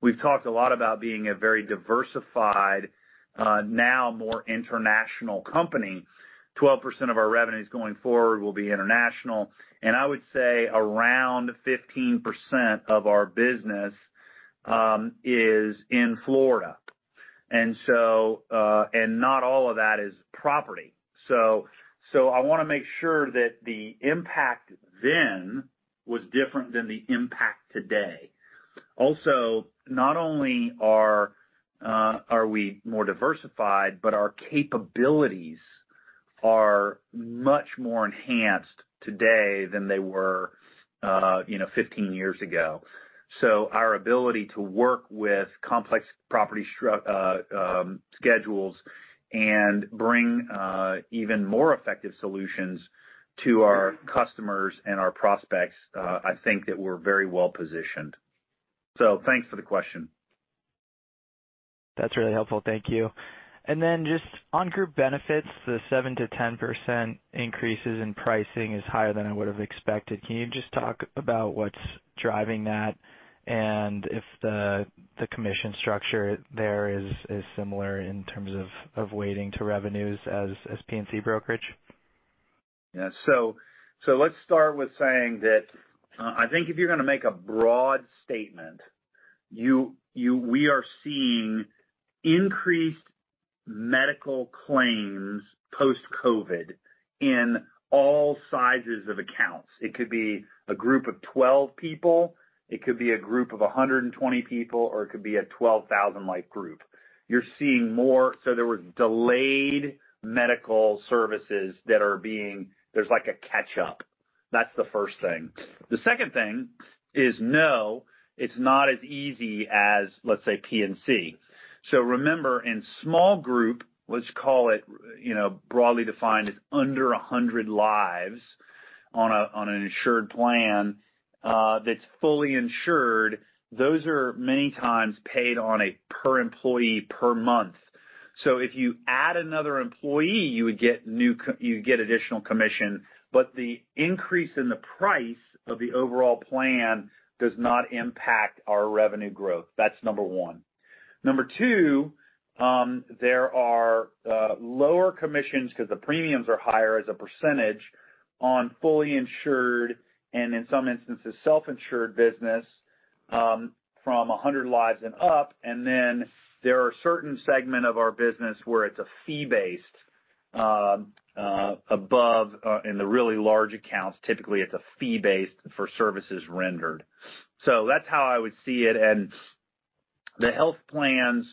We've talked a lot about being a very diversified, now more international company. 12% of our revenues going forward will be international, and I would say around 15% of our business is in Florida. and not all of that is property. I wanna make sure that the impact then was different than the impact today. Also, not only are we more diversified, but our capabilities are much more enhanced today than they were, you know, 15 years ago. Our ability to work with complex property schedules and bring even more effective solutions to our customers and our prospects, I think that we're very well-positioned. Thanks for the question. That's really helpful. Thank you. Then just on group benefits, the 7%-10% increases in pricing is higher than I would have expected. Can you just talk about what's driving that and if the commission structure there is similar in terms of weighting to revenues as P&C brokerage? Yeah. Let's start with saying that, I think if you're gonna make a broad statement, we are seeing increased medical claims post-COVID in all sizes of accounts. It could be a group of 12 people, it could be a group of 120 people, or it could be a 12,000-life group. You're seeing more, so there were delayed medical services that are being. There's like a catch-up. That's the first thing. The second thing is, no, it's not as easy as, let's say, P&C. Remember, in small group, let's call it, you know, broadly defined as under 100 lives on an insured plan, that's fully insured, those are many times paid on a per employee per month. If you add another employee, you would get additional commission, but the increase in the price of the overall plan does not impact our revenue growth. That's number one. Number two, there are lower commissions because the premiums are higher as a percentage on fully insured and in some instances, self-insured business, from 100 lives and up. Then there are certain segment of our business where it's a fee-based above in the really large accounts. Typically, it's a fee-based for services rendered. That's how I would see it. The health plans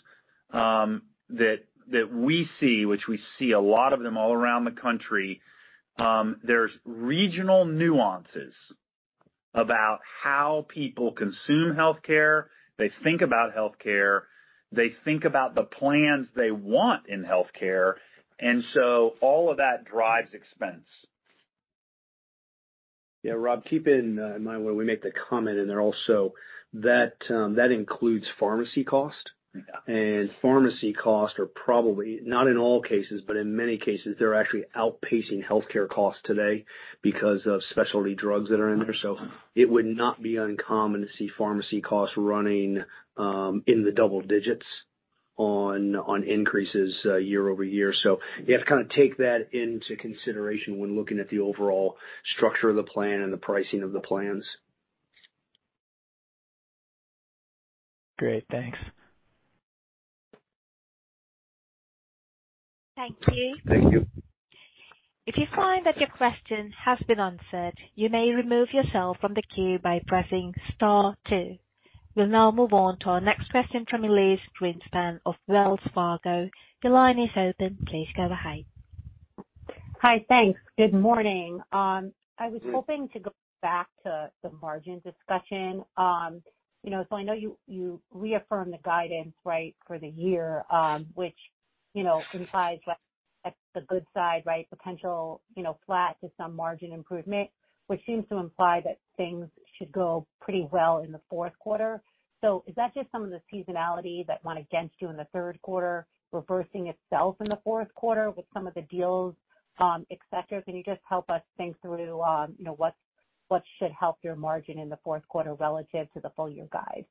that we see, which we see a lot of them all around the country, there's regional nuances about how people consume healthcare. They think about healthcare, they think about the plans they want in healthcare, and so all of that drives expense. Yeah, Rob, keep in mind when we make the comment in there also that includes pharmacy cost. Yeah. Pharmacy costs are probably, not in all cases, but in many cases, they're actually outpacing healthcare costs today because of specialty drugs that are in there. It would not be uncommon to see pharmacy costs running in the double digits on increases year-over-year. You have to kind of take that into consideration when looking at the overall structure of the plan and the pricing of the plans. Great. Thanks. Thank you. Thank you. If you find that your question has been answered, you may remove yourself from the queue by pressing star two. We'll now move on to our next question from Elyse Greenspan of Wells Fargo. Your line is open. Please go ahead. Hi. Thanks. Good morning. I was hoping to go back to the margin discussion. You know, I know you reaffirmed the guidance, right, for the year, which, you know, implies like the good side, right, potential, you know, flat to some margin improvement, which seems to imply that things should go pretty well in the fourth quarter. Is that just some of the seasonality that went against you in the third quarter reversing itself in the fourth quarter with some of the deals, et cetera? Can you just help us think through, you know, what should help your margin in the fourth quarter relative to the full year guide?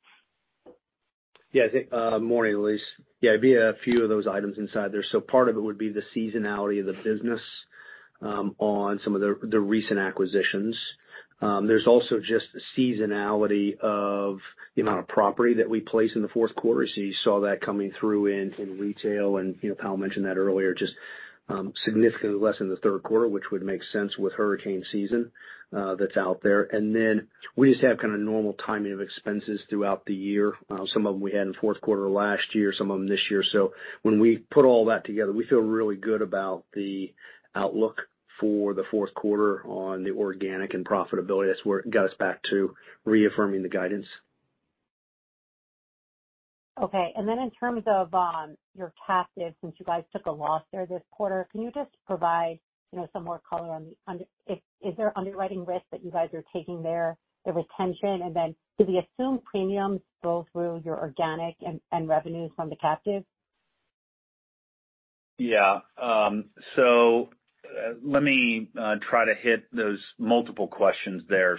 Yeah. I think morning, Elyse. Yeah, it'd be a few of those items inside there. Part of it would be the seasonality of the business on some of the recent acquisitions. There's also just the seasonality of the amount of property that we place in the fourth quarter. You saw that coming through in retail. You know, Powell mentioned that earlier, just significantly less than the third quarter, which would make sense with hurricane season that's out there. We just have kind of normal timing of expenses throughout the year. Some of them we had in the fourth quarter last year, some of them this year. When we put all that together, we feel really good about the outlook for the fourth quarter on the organic and profitability. That's where it got us back to reaffirming the guidance. Okay. In terms of your captive, since you guys took a loss there this quarter, can you just provide, you know, some more color? Is there underwriting risk that you guys are taking there, the retention? Do the assumed premiums flow through your organic and revenues from the captive? Let me try to hit those multiple questions there.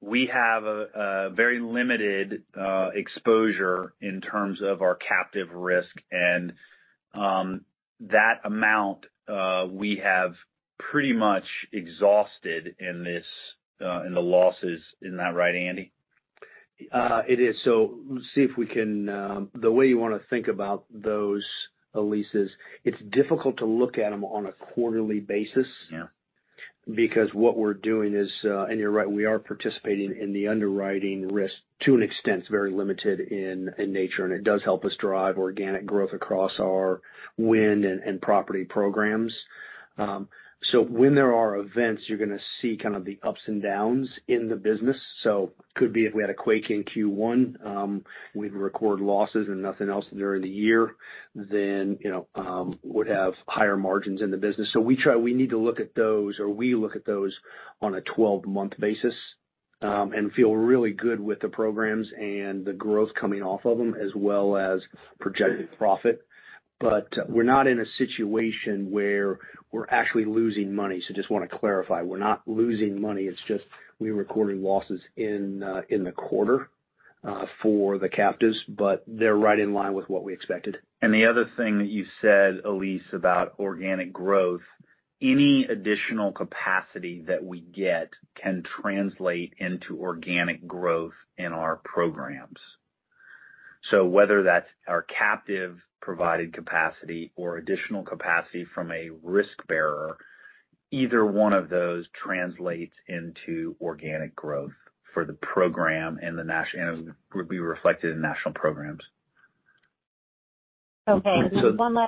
We have a very limited exposure in terms of our captive risk. That amount we have pretty much exhausted in the losses. Isn't that right, Andy? It is. Let's see if we can. The way you wanna think about those, Elyse, is it's difficult to look at them on a quarterly basis. Yeah. Because what we're doing is, and you're right, we are participating in the underwriting risk to an extent. It's very limited in nature, and it does help us drive organic growth across our wind and property programs. When there are events, you're gonna see kind of the ups and downs in the business. Could be if we had a quake in Q1, we'd record losses and nothing else during the year, then, you know, we'd have higher margins in the business. We need to look at those, or we look at those on a 12-month basis, and feel really good with the programs and the growth coming off of them as well as projected profit. We're not in a situation where we're actually losing money, so just wanna clarify. We're not losing money, it's just we're recording losses in the quarter for the captives, but they're right in line with what we expected. The other thing that you said, Elyse, about organic growth, any additional capacity that we get can translate into organic growth in our programs. Whether that's our captive-provided capacity or additional capacity from a risk bearer, either one of those translates into organic growth for the program and it would be reflected in national programs. Okay. So-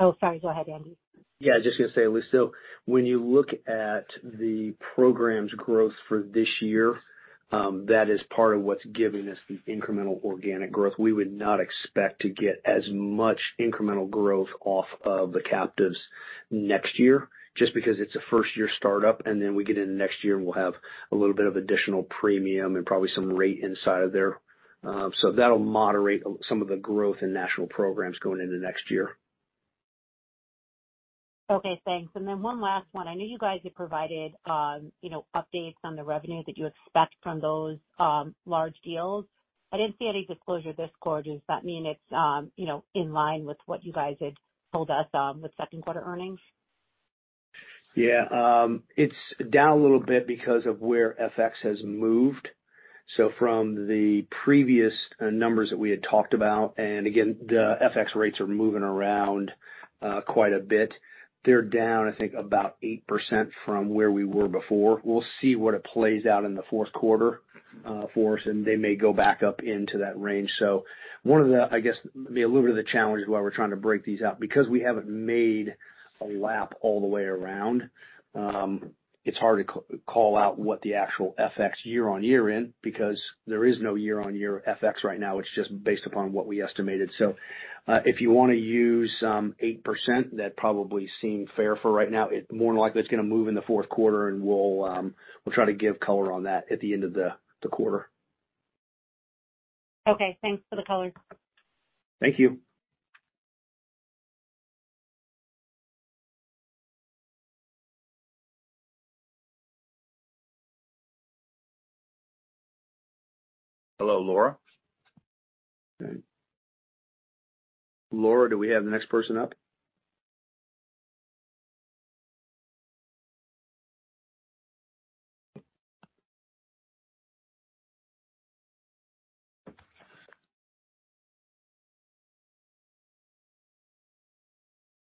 Oh, sorry, go ahead, Andy. Yeah, I was just gonna say, Elyse, so when you look at the program's growth for this year, that is part of what's giving us the incremental organic growth. We would not expect to get as much incremental growth off of the captives next year, just because it's a first-year startup, and then we get into next year and we'll have a little bit of additional premium and probably some rate inside of there. So that'll moderate some of the growth in national programs going into next year. Okay, thanks. One last one. I know you guys had provided, you know, updates on the revenue that you expect from those, large deals. I didn't see any disclosure this quarter. Does that mean it's, you know, in line with what you guys had told us, with second quarter earnings? Yeah. It's down a little bit because of where FX has moved. From the previous numbers that we had talked about, and again, the FX rates are moving around quite a bit. They're down, I think, about 8% from where we were before. We'll see what it plays out in the fourth quarter for us, and they may go back up into that range. One of the, I guess, maybe a little bit of the challenge is why we're trying to break these out. Because we haven't made a lap all the way around, it's hard to call out what the actual FX year-on-year in, because there is no year-on-year FX right now. It's just based upon what we estimated. If you wanna use 8%, that probably seem fair for right now. It more than likely it's gonna move in the fourth quarter, and we'll try to give color on that at the end of the quarter. Okay. Thanks for the color. Thank you. Hello, Laura. Okay. Laura, do we have the next person up?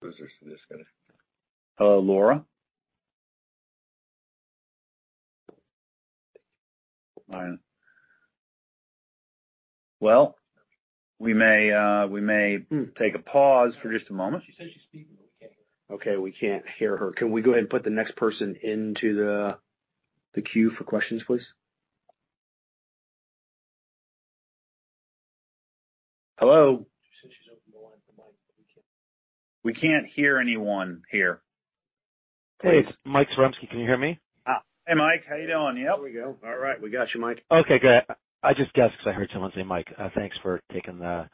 Who is this guy? Hello, Laura? All right. Well, we may take a pause for just a moment. She says she's speaking, but we can't hear her. Okay. We can't hear her. Can we go ahead and put the next person into the queue for questions, please? Hello? She said she's opened the line for Mike, but we can't. We can't hear anyone here. Hey, it's Mike Zaremski. Can you hear me? Hey, Mike. How you doing? Yep. There we go. All right, we got you, Mike. Okay, good. I just guessed because I heard someone say Mike. Thanks for taking the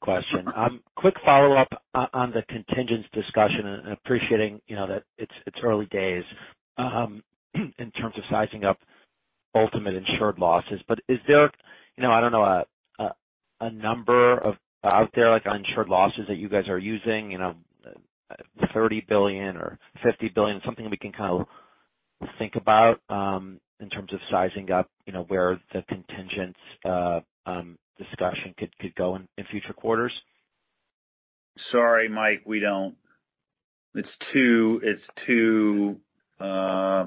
question. Quick follow-up on the contingents discussion, and appreciating, you know, that it's early days in terms of sizing up ultimate insured losses. But is there, you know, I don't know, a number out there like insured losses that you guys are using, you know, $30 billion or $50 billion, something we can kind of think about in terms of sizing up, you know, where the contingent discussion could go in future quarters? Sorry, Mike, we don't. It's too hard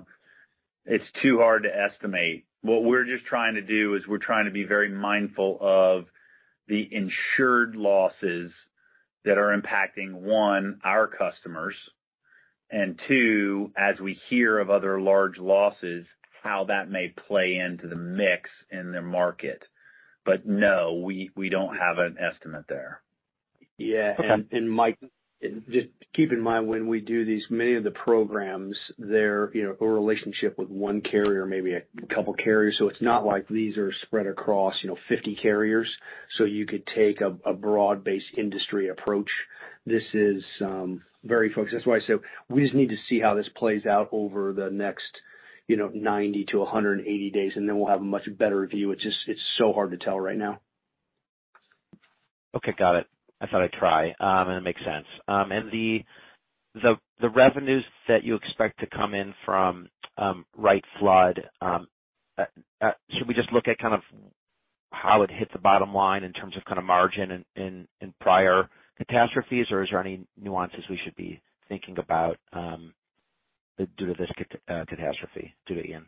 to estimate. What we're just trying to do is to be very mindful of the insured losses that are impacting, one, our customers, and two, as we hear of other large losses, how that may play into the mix in the market. No, we don't have an estimate there. Yeah. Okay. Mike, just keep in mind, when we do these, many of the programs, they're, you know, a relationship with one carrier, maybe a couple carriers. It's not like these are spread across, you know, 50 carriers, so you could take a broad-based industry approach. This is very focused. That's why I said, we just need to see how this plays out over the next, you know, 90-180 days, and then we'll have a much better view. It's just so hard to tell right now. Okay, got it. I thought I'd try, and it makes sense. The revenues that you expect to come in from Wright Flood, should we just look at kind of how it hit the bottom line in terms of kind of margin in prior catastrophes, or is there any nuances we should be thinking about due to this catastrophe due to Ian?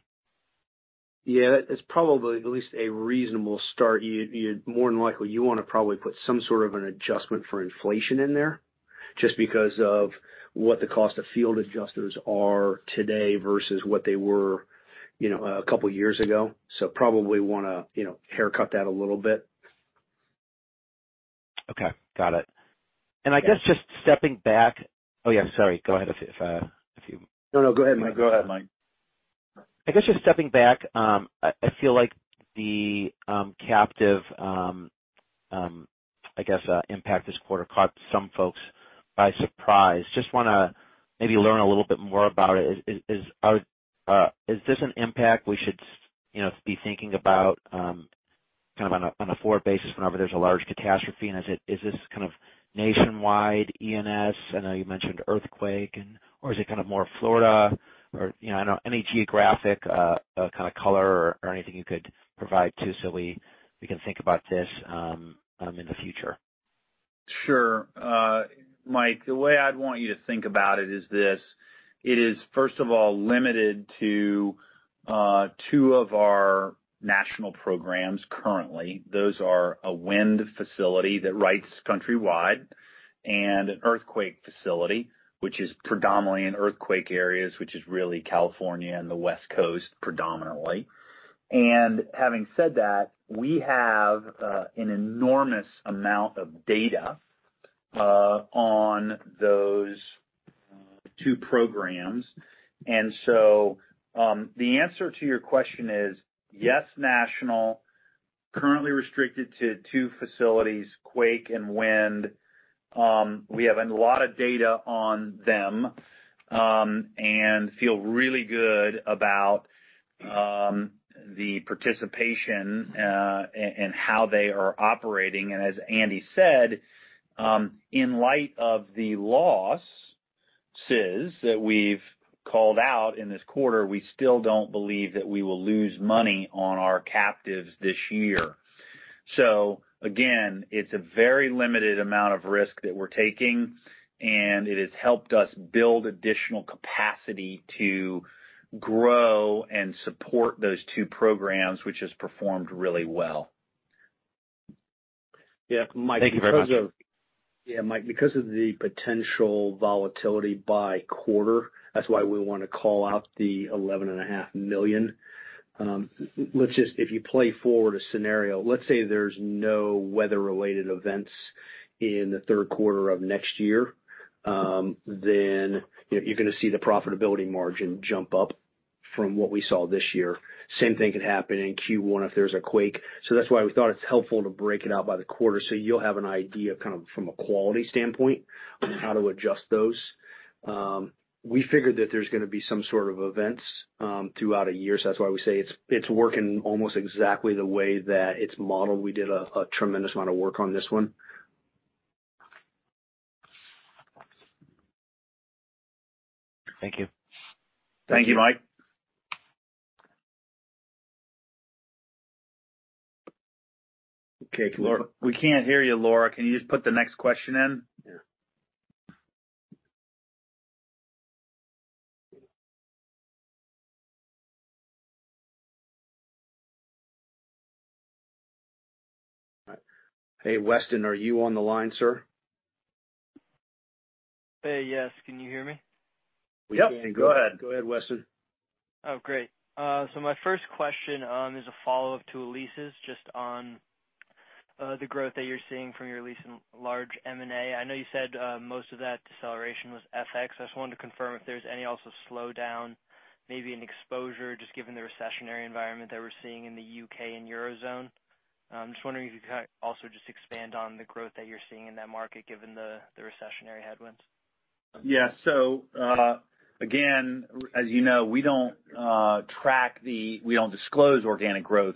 Yeah, it's probably at least a reasonable start. You'd more than likely you wanna probably put some sort of an adjustment for inflation in there just because of what the cost of field adjusters are today versus what they were, you know, a couple years ago. Probably wanna, you know, haircut that a little bit. Okay. Got it. Yeah. I guess just stepping back. Oh, yeah, sorry. Go ahead if you- No, no, go ahead, Mike. Go ahead, Mike. I guess just stepping back, I feel like the captive impact this quarter caught some folks by surprise. Just wanna maybe learn a little bit more about it. Is this an impact we should, you know, be thinking about kind of on a forward basis whenever there's a large catastrophe? Is it kind of nationwide E&S? I know you mentioned earthquake or is it kind of more Florida or, you know, any geographic kind of color or anything you could provide too so we can think about this in the future? Sure. Mike, the way I'd want you to think about it is this: It is, first of all, limited to two of our national programs currently. Those are a wind facility that writes countrywide and an earthquake facility, which is predominantly in earthquake areas, which is really California and the West Coast predominantly. Having said that, we have an enormous amount of data on those two programs. The answer to your question is yes, national, currently restricted to two facilities, quake and wind. We have a lot of data on them and feel really good about the participation and how they are operating. As Andy said, in light of the losses that we've called out in this quarter, we still don't believe that we will lose money on our captives this year. Again, it's a very limited amount of risk that we're taking, and it has helped us build additional capacity to grow and support those two programs, which has performed really well. Yeah, Mike. Thank you very much. Yeah, Mike, because of the potential volatility by quarter, that's why we wanna call out the $11.5 million. Let's just, if you play forward a scenario, let's say there's no weather related events in the third quarter of next year, then, you know, you're gonna see the profitability margin jump up from what we saw this year. Same thing could happen in Q1 if there's a quake. That's why we thought it's helpful to break it out by the quarter so you'll have an idea kind of from a quality standpoint on how to adjust those. We figured that there's gonna be some sort of events throughout a year. That's why we say it's working almost exactly the way that it's modeled. We did a tremendous amount of work on this one. Thank you. Thank you, Mike. Okay, Laura. We can't hear you, Laura. Can you just put the next question in? Yeah. Hey, Weston. Are you on the line, sir? Hey. Yes. Can you hear me? Yep. Go ahead. Go ahead, Weston. Oh, great. My first question is a follow-up to Elyse's just on the growth that you're seeing from your recent large M&A. I know you said most of that deceleration was FX. I just wanted to confirm if there's any also slowdown, maybe in exposure, just given the recessionary environment that we're seeing in the U.K. and Eurozone. Just wondering if you could also just expand on the growth that you're seeing in that market given the recessionary headwinds. Again, as you know, we don't disclose organic growth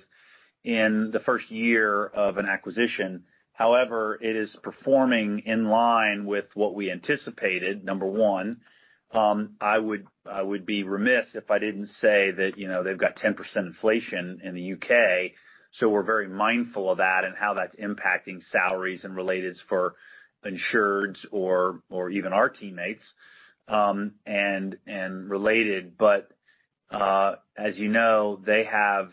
in the first year of an acquisition. However, it is performing in line with what we anticipated, number one. I would be remiss if I didn't say that, you know, they've got 10% inflation in the U.K., so we're very mindful of that and how that's impacting salaries and related for insureds or even our teammates, and related. As you know, they have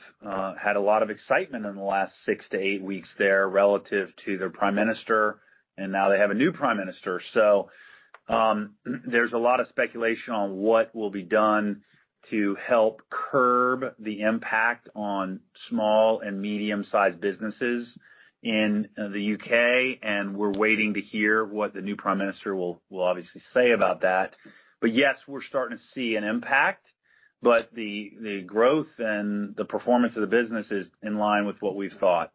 had a lot of excitement in the last 6-8 weeks there relative to their Prime Minister, and now they have a new Prime Minister. There's a lot of speculation on what will be done to help curb the impact on small and medium-sized businesses in the UK, and we're waiting to hear what the new Prime Minister will obviously say about that. Yes, we're starting to see an impact, but the growth and the performance of the business is in line with what we've thought.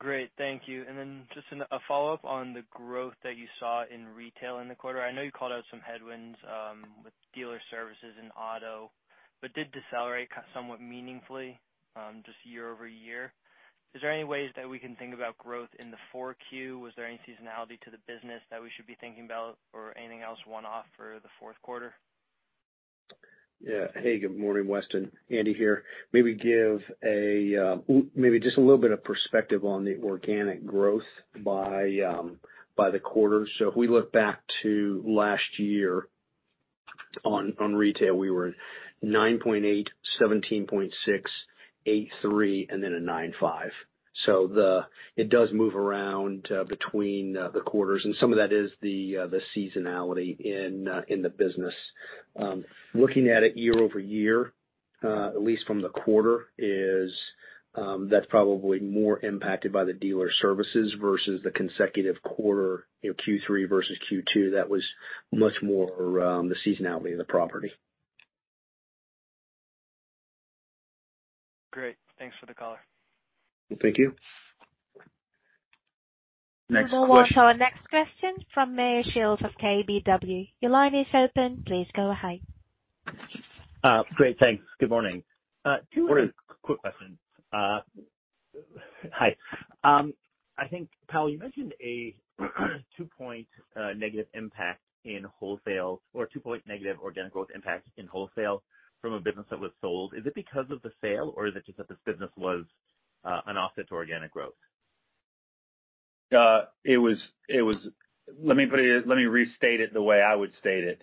Great. Thank you. Just a follow-up on the growth that you saw in retail in the quarter. I know you called out some headwinds with dealer services and auto, but did decelerate somewhat meaningfully just year-over-year. Is there any ways that we can think about growth in the 4Q? Was there any seasonality to the business that we should be thinking about or anything else one-off for the fourth quarter? Yeah. Hey, good morning, Weston. Andy here. Maybe give a maybe just a little bit of perspective on the organic growth by the quarter. If we look back to last year on retail, we were 9.8%, 17.6%, 8.3%, and then a 9.5%. It does move around between the quarters, and some of that is the seasonality in the business. Looking at it year-over-year, at least from the quarter, that's probably more impacted by the dealer services versus the consecutive quarter, you know, Q3 versus Q2. That was much more around the seasonality of the property. Great. Thanks for the color. Thank you. Next question. We'll move on to our next question from Meyer Shields of KBW. Your line is open. Please go ahead. Great. Thanks. Good morning. Morning. Two quick questions. I think, Powell, you mentioned a 2% negative impact in wholesale or 2% negative organic growth impact in wholesale from a business that was sold. Is it because of the sale or is it just that this business was an offset to organic growth? Let me put it, let me restate it the way I would state it.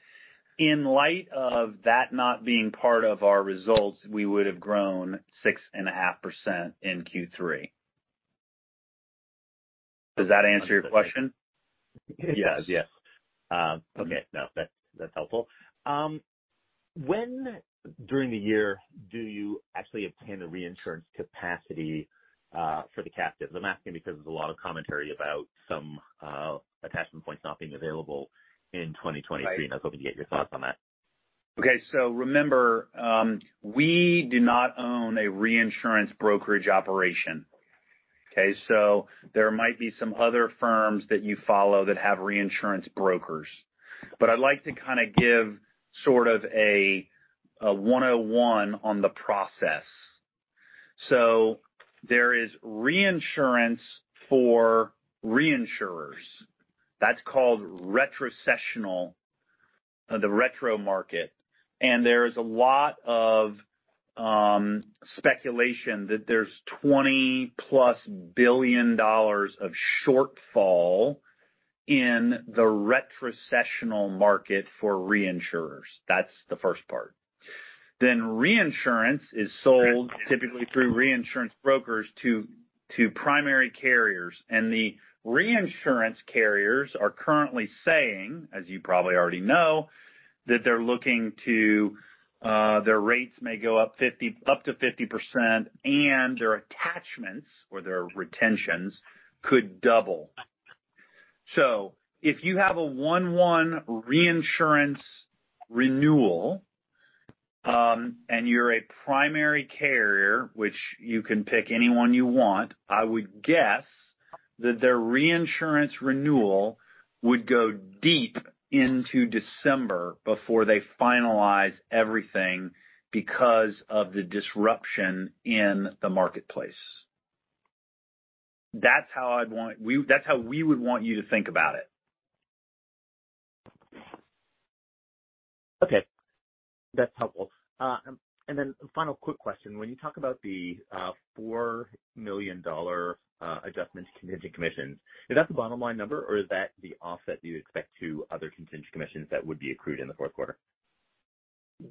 In light of that not being part of our results, we would have grown 6.5% in Q3. Does that answer your question? Yes. Yes. Okay. No, that's helpful. When during the year do you actually obtain the reinsurance capacity for the captive? I'm asking because there's a lot of commentary about some attachment points not being available in 2023. Right. I was hoping to get your thoughts on that. Okay. Remember, we do not own a reinsurance brokerage operation. Okay? There might be some other firms that you follow that have reinsurance brokers. I'd like to kinda give sort of a 101 on the process. There is reinsurance for reinsurers. That's called retrocessional, the retro market. There is a lot of speculation that there's $20+ billion of shortfall in the retrocessional market for reinsurers. That's the first part. Reinsurance is sold typically through reinsurance brokers to primary carriers. The reinsurance carriers are currently saying, as you probably already know, that they're looking to their rates may go up up to 50%, and their attachments or their retentions could double. If you have a 1/1 reinsurance renewal, and you're a primary carrier, which you can pick anyone you want, I would guess that their reinsurance renewal would go deep into December before they finalize everything because of the disruption in the marketplace. That's how we would want you to think about it. Okay. That's helpful. A final quick question. When you talk about the $4 million adjustment to contingent commissions, is that the bottom line number, or is that the offset you'd expect to other contingent commissions that would be accrued in the fourth quarter?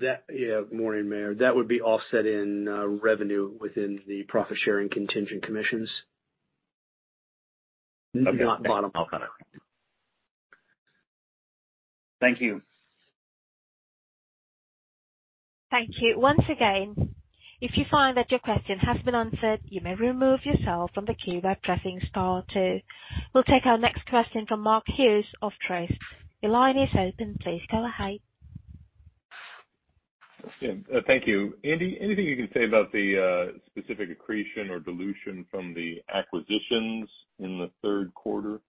Yeah. Morning, Meyer. That would be offset in revenue within the profit-sharing contingent commissions. Okay. Not bottom line. Got it. Thank you. Thank you. Once again, if you find that your question has been answered, you may remove yourself from the queue by pressing star two. We'll take our next question from Mark Hughes of Truist. Your line is open. Please go ahead. Yeah. Thank you. Andy, anything you can say about the specific accretion or dilution from the acquisitions in the third quarter?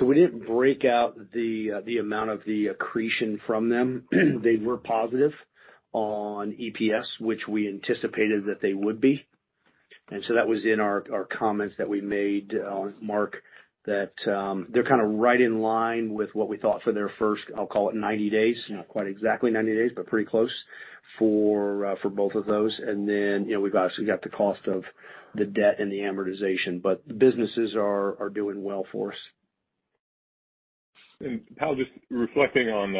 We didn't break out the amount of the accretion from them. They were positive on EPS, which we anticipated that they would be. That was in our comments that we made, Mark, that they're kind of right in line with what we thought for their first, I'll call it 90 days, not quite exactly 90 days, but pretty close for both of those. You know, we've obviously got the cost of the debt and the amortization, but the businesses are doing well for us. Powell, just reflecting on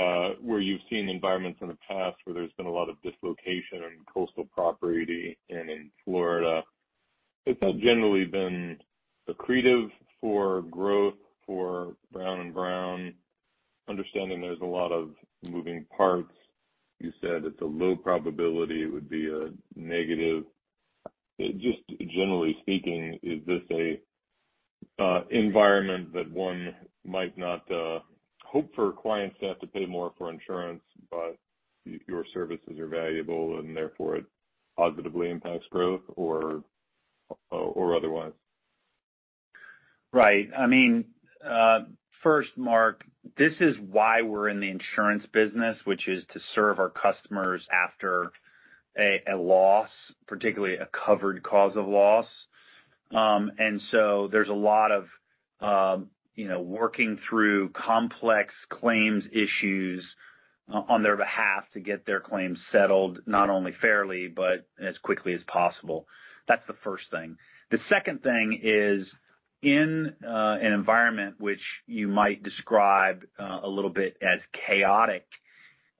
where you've seen environments in the past where there's been a lot of dislocation in coastal property and in Florida, it's generally been accretive for growth for Brown & Brown. Understanding there's a lot of moving parts, you said it's a low probability it would be a negative. Just generally speaking, is this an environment that one might not hope for clients to have to pay more for insurance, but your services are valuable and therefore it positively impacts growth or otherwise? Right. I mean, first, Mark, this is why we're in the insurance business, which is to serve our customers after a loss, particularly a covered cause of loss. There's a lot of, you know, working through complex claims issues on their behalf to get their claims settled, not only fairly, but as quickly as possible. That's the first thing. The second thing is in an environment which you might describe a little bit as chaotic,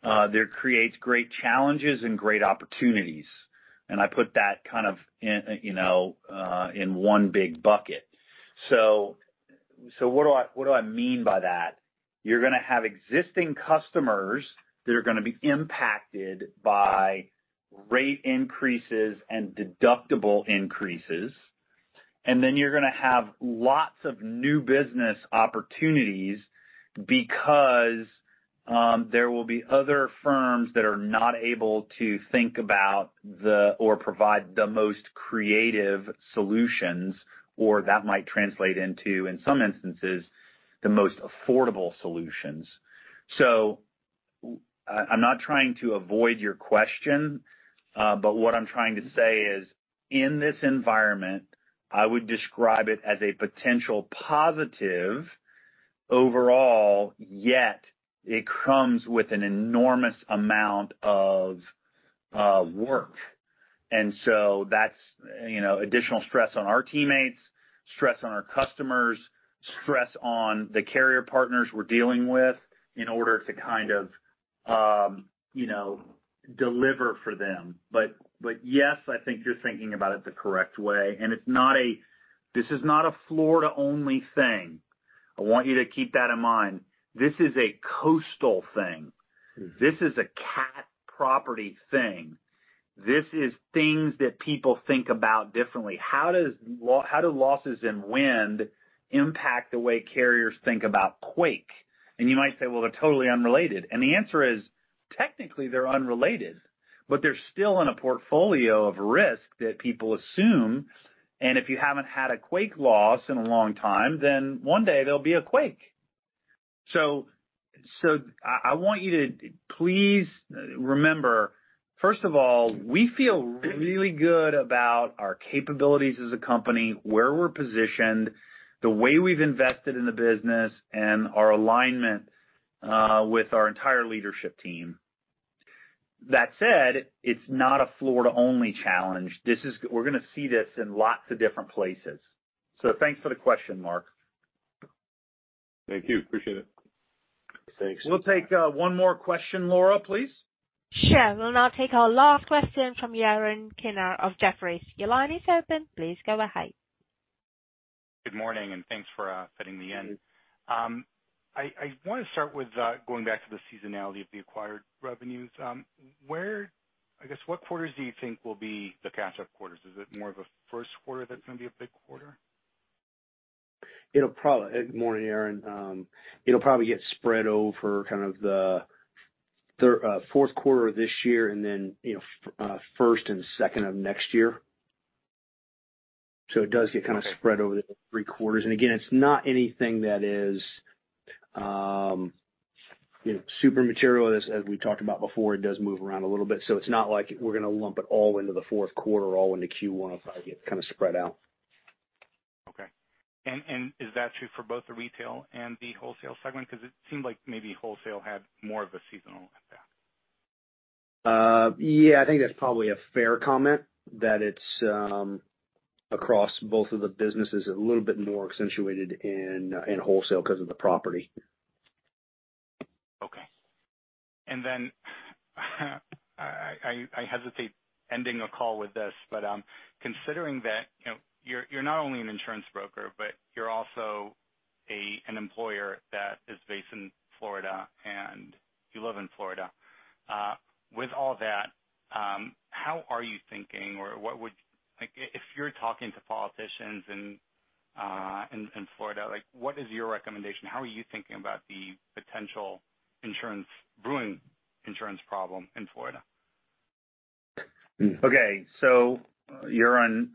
there creates great challenges and great opportunities. I put that kind of in, you know, one big bucket. What do I mean by that? You're gonna have existing customers that are gonna be impacted by rate increases and deductible increases. Then you're gonna have lots of new business opportunities because there will be other firms that are not able to think about or provide the most creative solutions or that might translate into, in some instances, the most affordable solutions. I'm not trying to avoid your question, but what I'm trying to say is, in this environment, I would describe it as a potential positive overall, yet it comes with an enormous amount of work. That's, you know, additional stress on our teammates, stress on our customers, stress on the carrier partners we're dealing with in order to kind of, you know, deliver for them. Yes, I think you're thinking about it the correct way, and this is not a Florida only thing. I want you to keep that in mind. This is a coastal thing. This is a cat property thing. This is things that people think about differently. How do losses in wind impact the way carriers think about quake? You might say, well, they're totally unrelated. The answer is, technically they're unrelated, but they're still in a portfolio of risk that people assume. If you haven't had a quake loss in a long time, then one day there'll be a quake. I want you to please remember, first of all, we feel really good about our capabilities as a company, where we're positioned, the way we've invested in the business and our alignment with our entire leadership team. That said, it's not a Florida only challenge. This is. We're gonna see this in lots of different places. Thanks for the question, Mark. Thank you. Appreciate it. Thanks. We'll take one more question, Laura, please. Sure. We'll now take our last question from Yaron Kinar of Jefferies. Your line is open. Please go ahead. Good morning, and thanks for fitting me in. I want to start with going back to the seasonality of the acquired revenues. I guess, what quarters do you think will be the catch-up quarters? Is it more of a first quarter that's gonna be a big quarter? Good morning, Yaron. It'll probably get spread over kind of the fourth quarter of this year and then, you know, first and second of next year. It does get kind of spread over the three quarters. Again, it's not anything that is, you know, super material. As we talked about before, it does move around a little bit. It's not like we're gonna lump it all into the fourth quarter, all into Q1. It'll probably get kind of spread out. Okay. Is that true for both the retail and the wholesale segment? Because it seemed like maybe wholesale had more of a seasonal impact. Yeah, I think that's probably a fair comment that it's across both of the businesses, a little bit more accentuated in wholesale 'cause of the property. Okay. I hesitate to end a call with this, but, considering that, you know, you're not only an insurance broker, but you're also an employer that is based in Florida and you live in Florida. With all that, how are you thinking. Like, if you're talking to politicians in Florida, like what is your recommendation? How are you thinking about the potential property insurance problem in Florida? Okay. You're on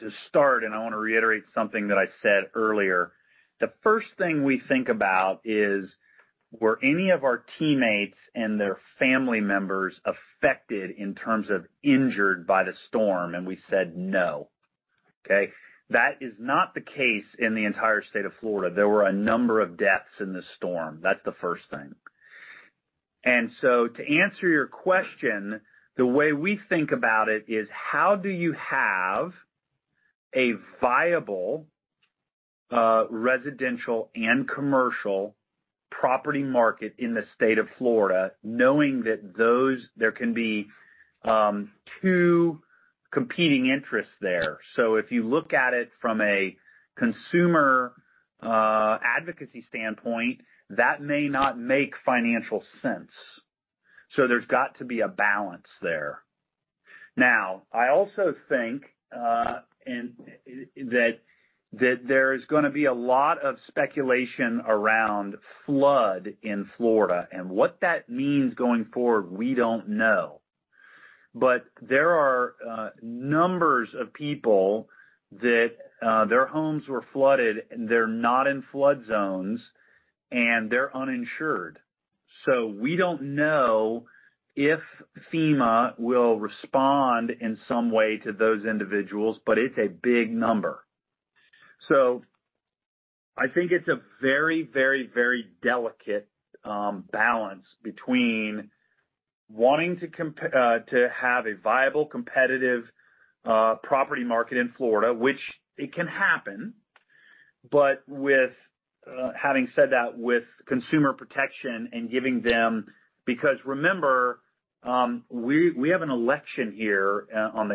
to start, and I want to reiterate something that I said earlier. The first thing we think about is were any of our teammates and their family members affected in terms of injured by the storm. We said, no, okay? That is not the case in the entire state of Florida. There were a number of deaths in the storm. That's the first thing. To answer your question, the way we think about it is how you have a viable residential and commercial property market in the state of Florida knowing that there can be two competing interests there. If you look at it from a consumer advocacy standpoint, that may not make financial sense. There's got to be a balance there. Now, I also think that there's gonna be a lot of speculation around flood in Florida. What that means going forward, we don't know. There are numbers of people that their homes were flooded, they're not in flood zones, and they're uninsured. We don't know if FEMA will respond in some way to those individuals, but it's a big number. I think it's a very delicate balance between wanting to have a viable, competitive property market in Florida, which it can happen. With having said that, with consumer protection and giving them. Because remember, we have an election here on the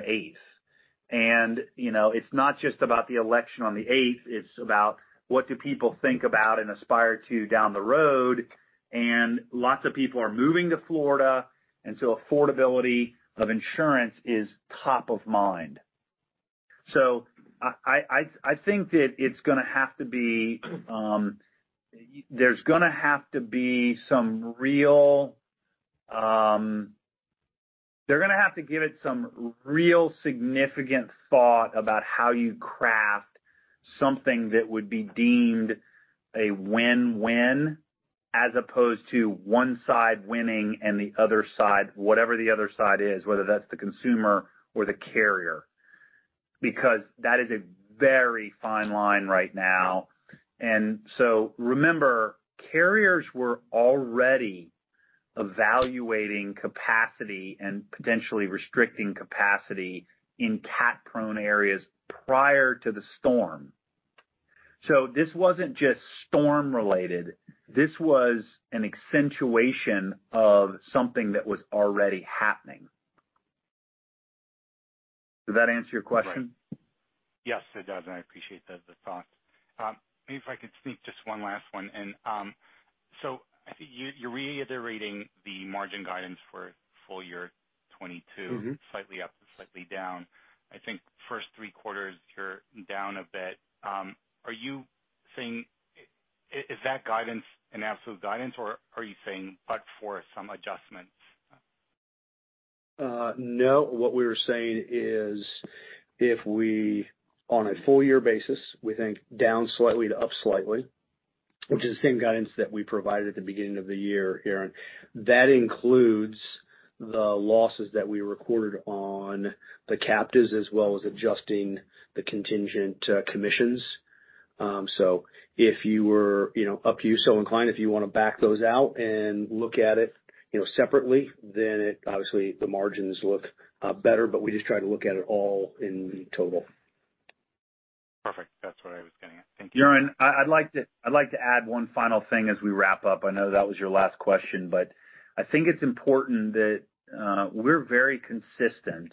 8th. You know, it's not just about the election on the 8th, it's about what do people think about and aspire to down the road. Lots of people are moving to Florida, and so affordability of insurance is top of mind. I think they're gonna have to give it some real significant thought about how you craft something that would be deemed a win-win as opposed to one side winning and the other side, whatever the other side is, whether that's the consumer or the carrier, because that is a very fine line right now. Remember, carriers were already evaluating capacity and potentially restricting capacity in cat-prone areas prior to the storm. This wasn't just storm related. This was an accentuation of something that was already happening. Does that answer your question? Right. Yes, it does, and I appreciate the thought. Maybe if I could sneak just one last one in. I think you're reiterating the margin guidance for full year 2022. Mm-hmm. Slightly up, slightly down. I think first three quarters, you're down a bit. Are you saying, is that guidance an absolute guidance or are you saying but for some adjustments? No. What we were saying is if, on a full year basis, we think down slightly to up slightly, which is the same guidance that we provided at the beginning of the year, Yaron. That includes the losses that we recorded on the captives as well as adjusting the contingent commissions. If you were so inclined, you know, if you wanna back those out and look at it, you know, separately, then obviously the margins look better, but we just try to look at it all in the total. Perfect. That's what I was getting at. Thank you. Yaron, I'd like to add one final thing as we wrap up. I know that was your last question, but I think it's important that we're very consistent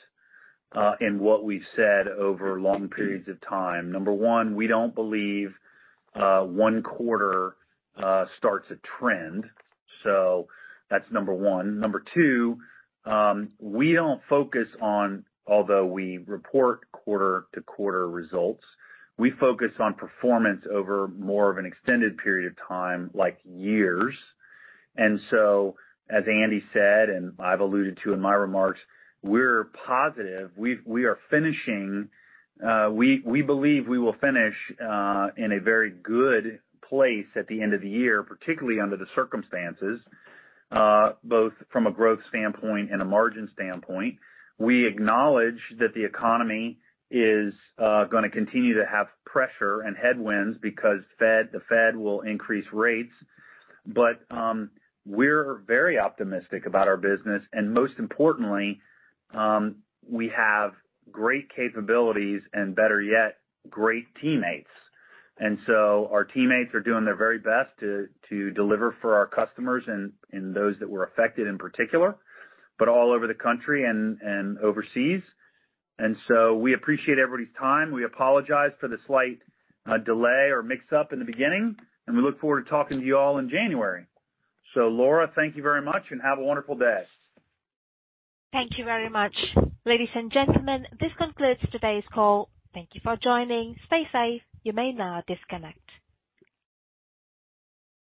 in what we've said over long periods of time. Number one, we don't believe one quarter starts a trend. That's number one. Number two, we don't focus, although we report quarter-to-quarter results, we focus on performance over more of an extended period of time, like years. As Andy said, and I've alluded to in my remarks, we're positive. We believe we will finish in a very good place at the end of the year, particularly under the circumstances, both from a growth standpoint and a margin standpoint. We acknowledge that the economy is gonna continue to have pressure and headwinds because the Fed will increase rates. We're very optimistic about our business, and most importantly, we have great capabilities and better yet, great teammates. Our teammates are doing their very best to deliver for our customers and those that were affected in particular, but all over the country and overseas. We appreciate everybody's time. We apologize for the slight delay or mix up in the beginning, and we look forward to talking to you all in January. Laura, thank you very much and have a wonderful day. Thank you very much. Ladies and gentlemen, this concludes today's call. Thank you for joining. Stay safe. You may now disconnect.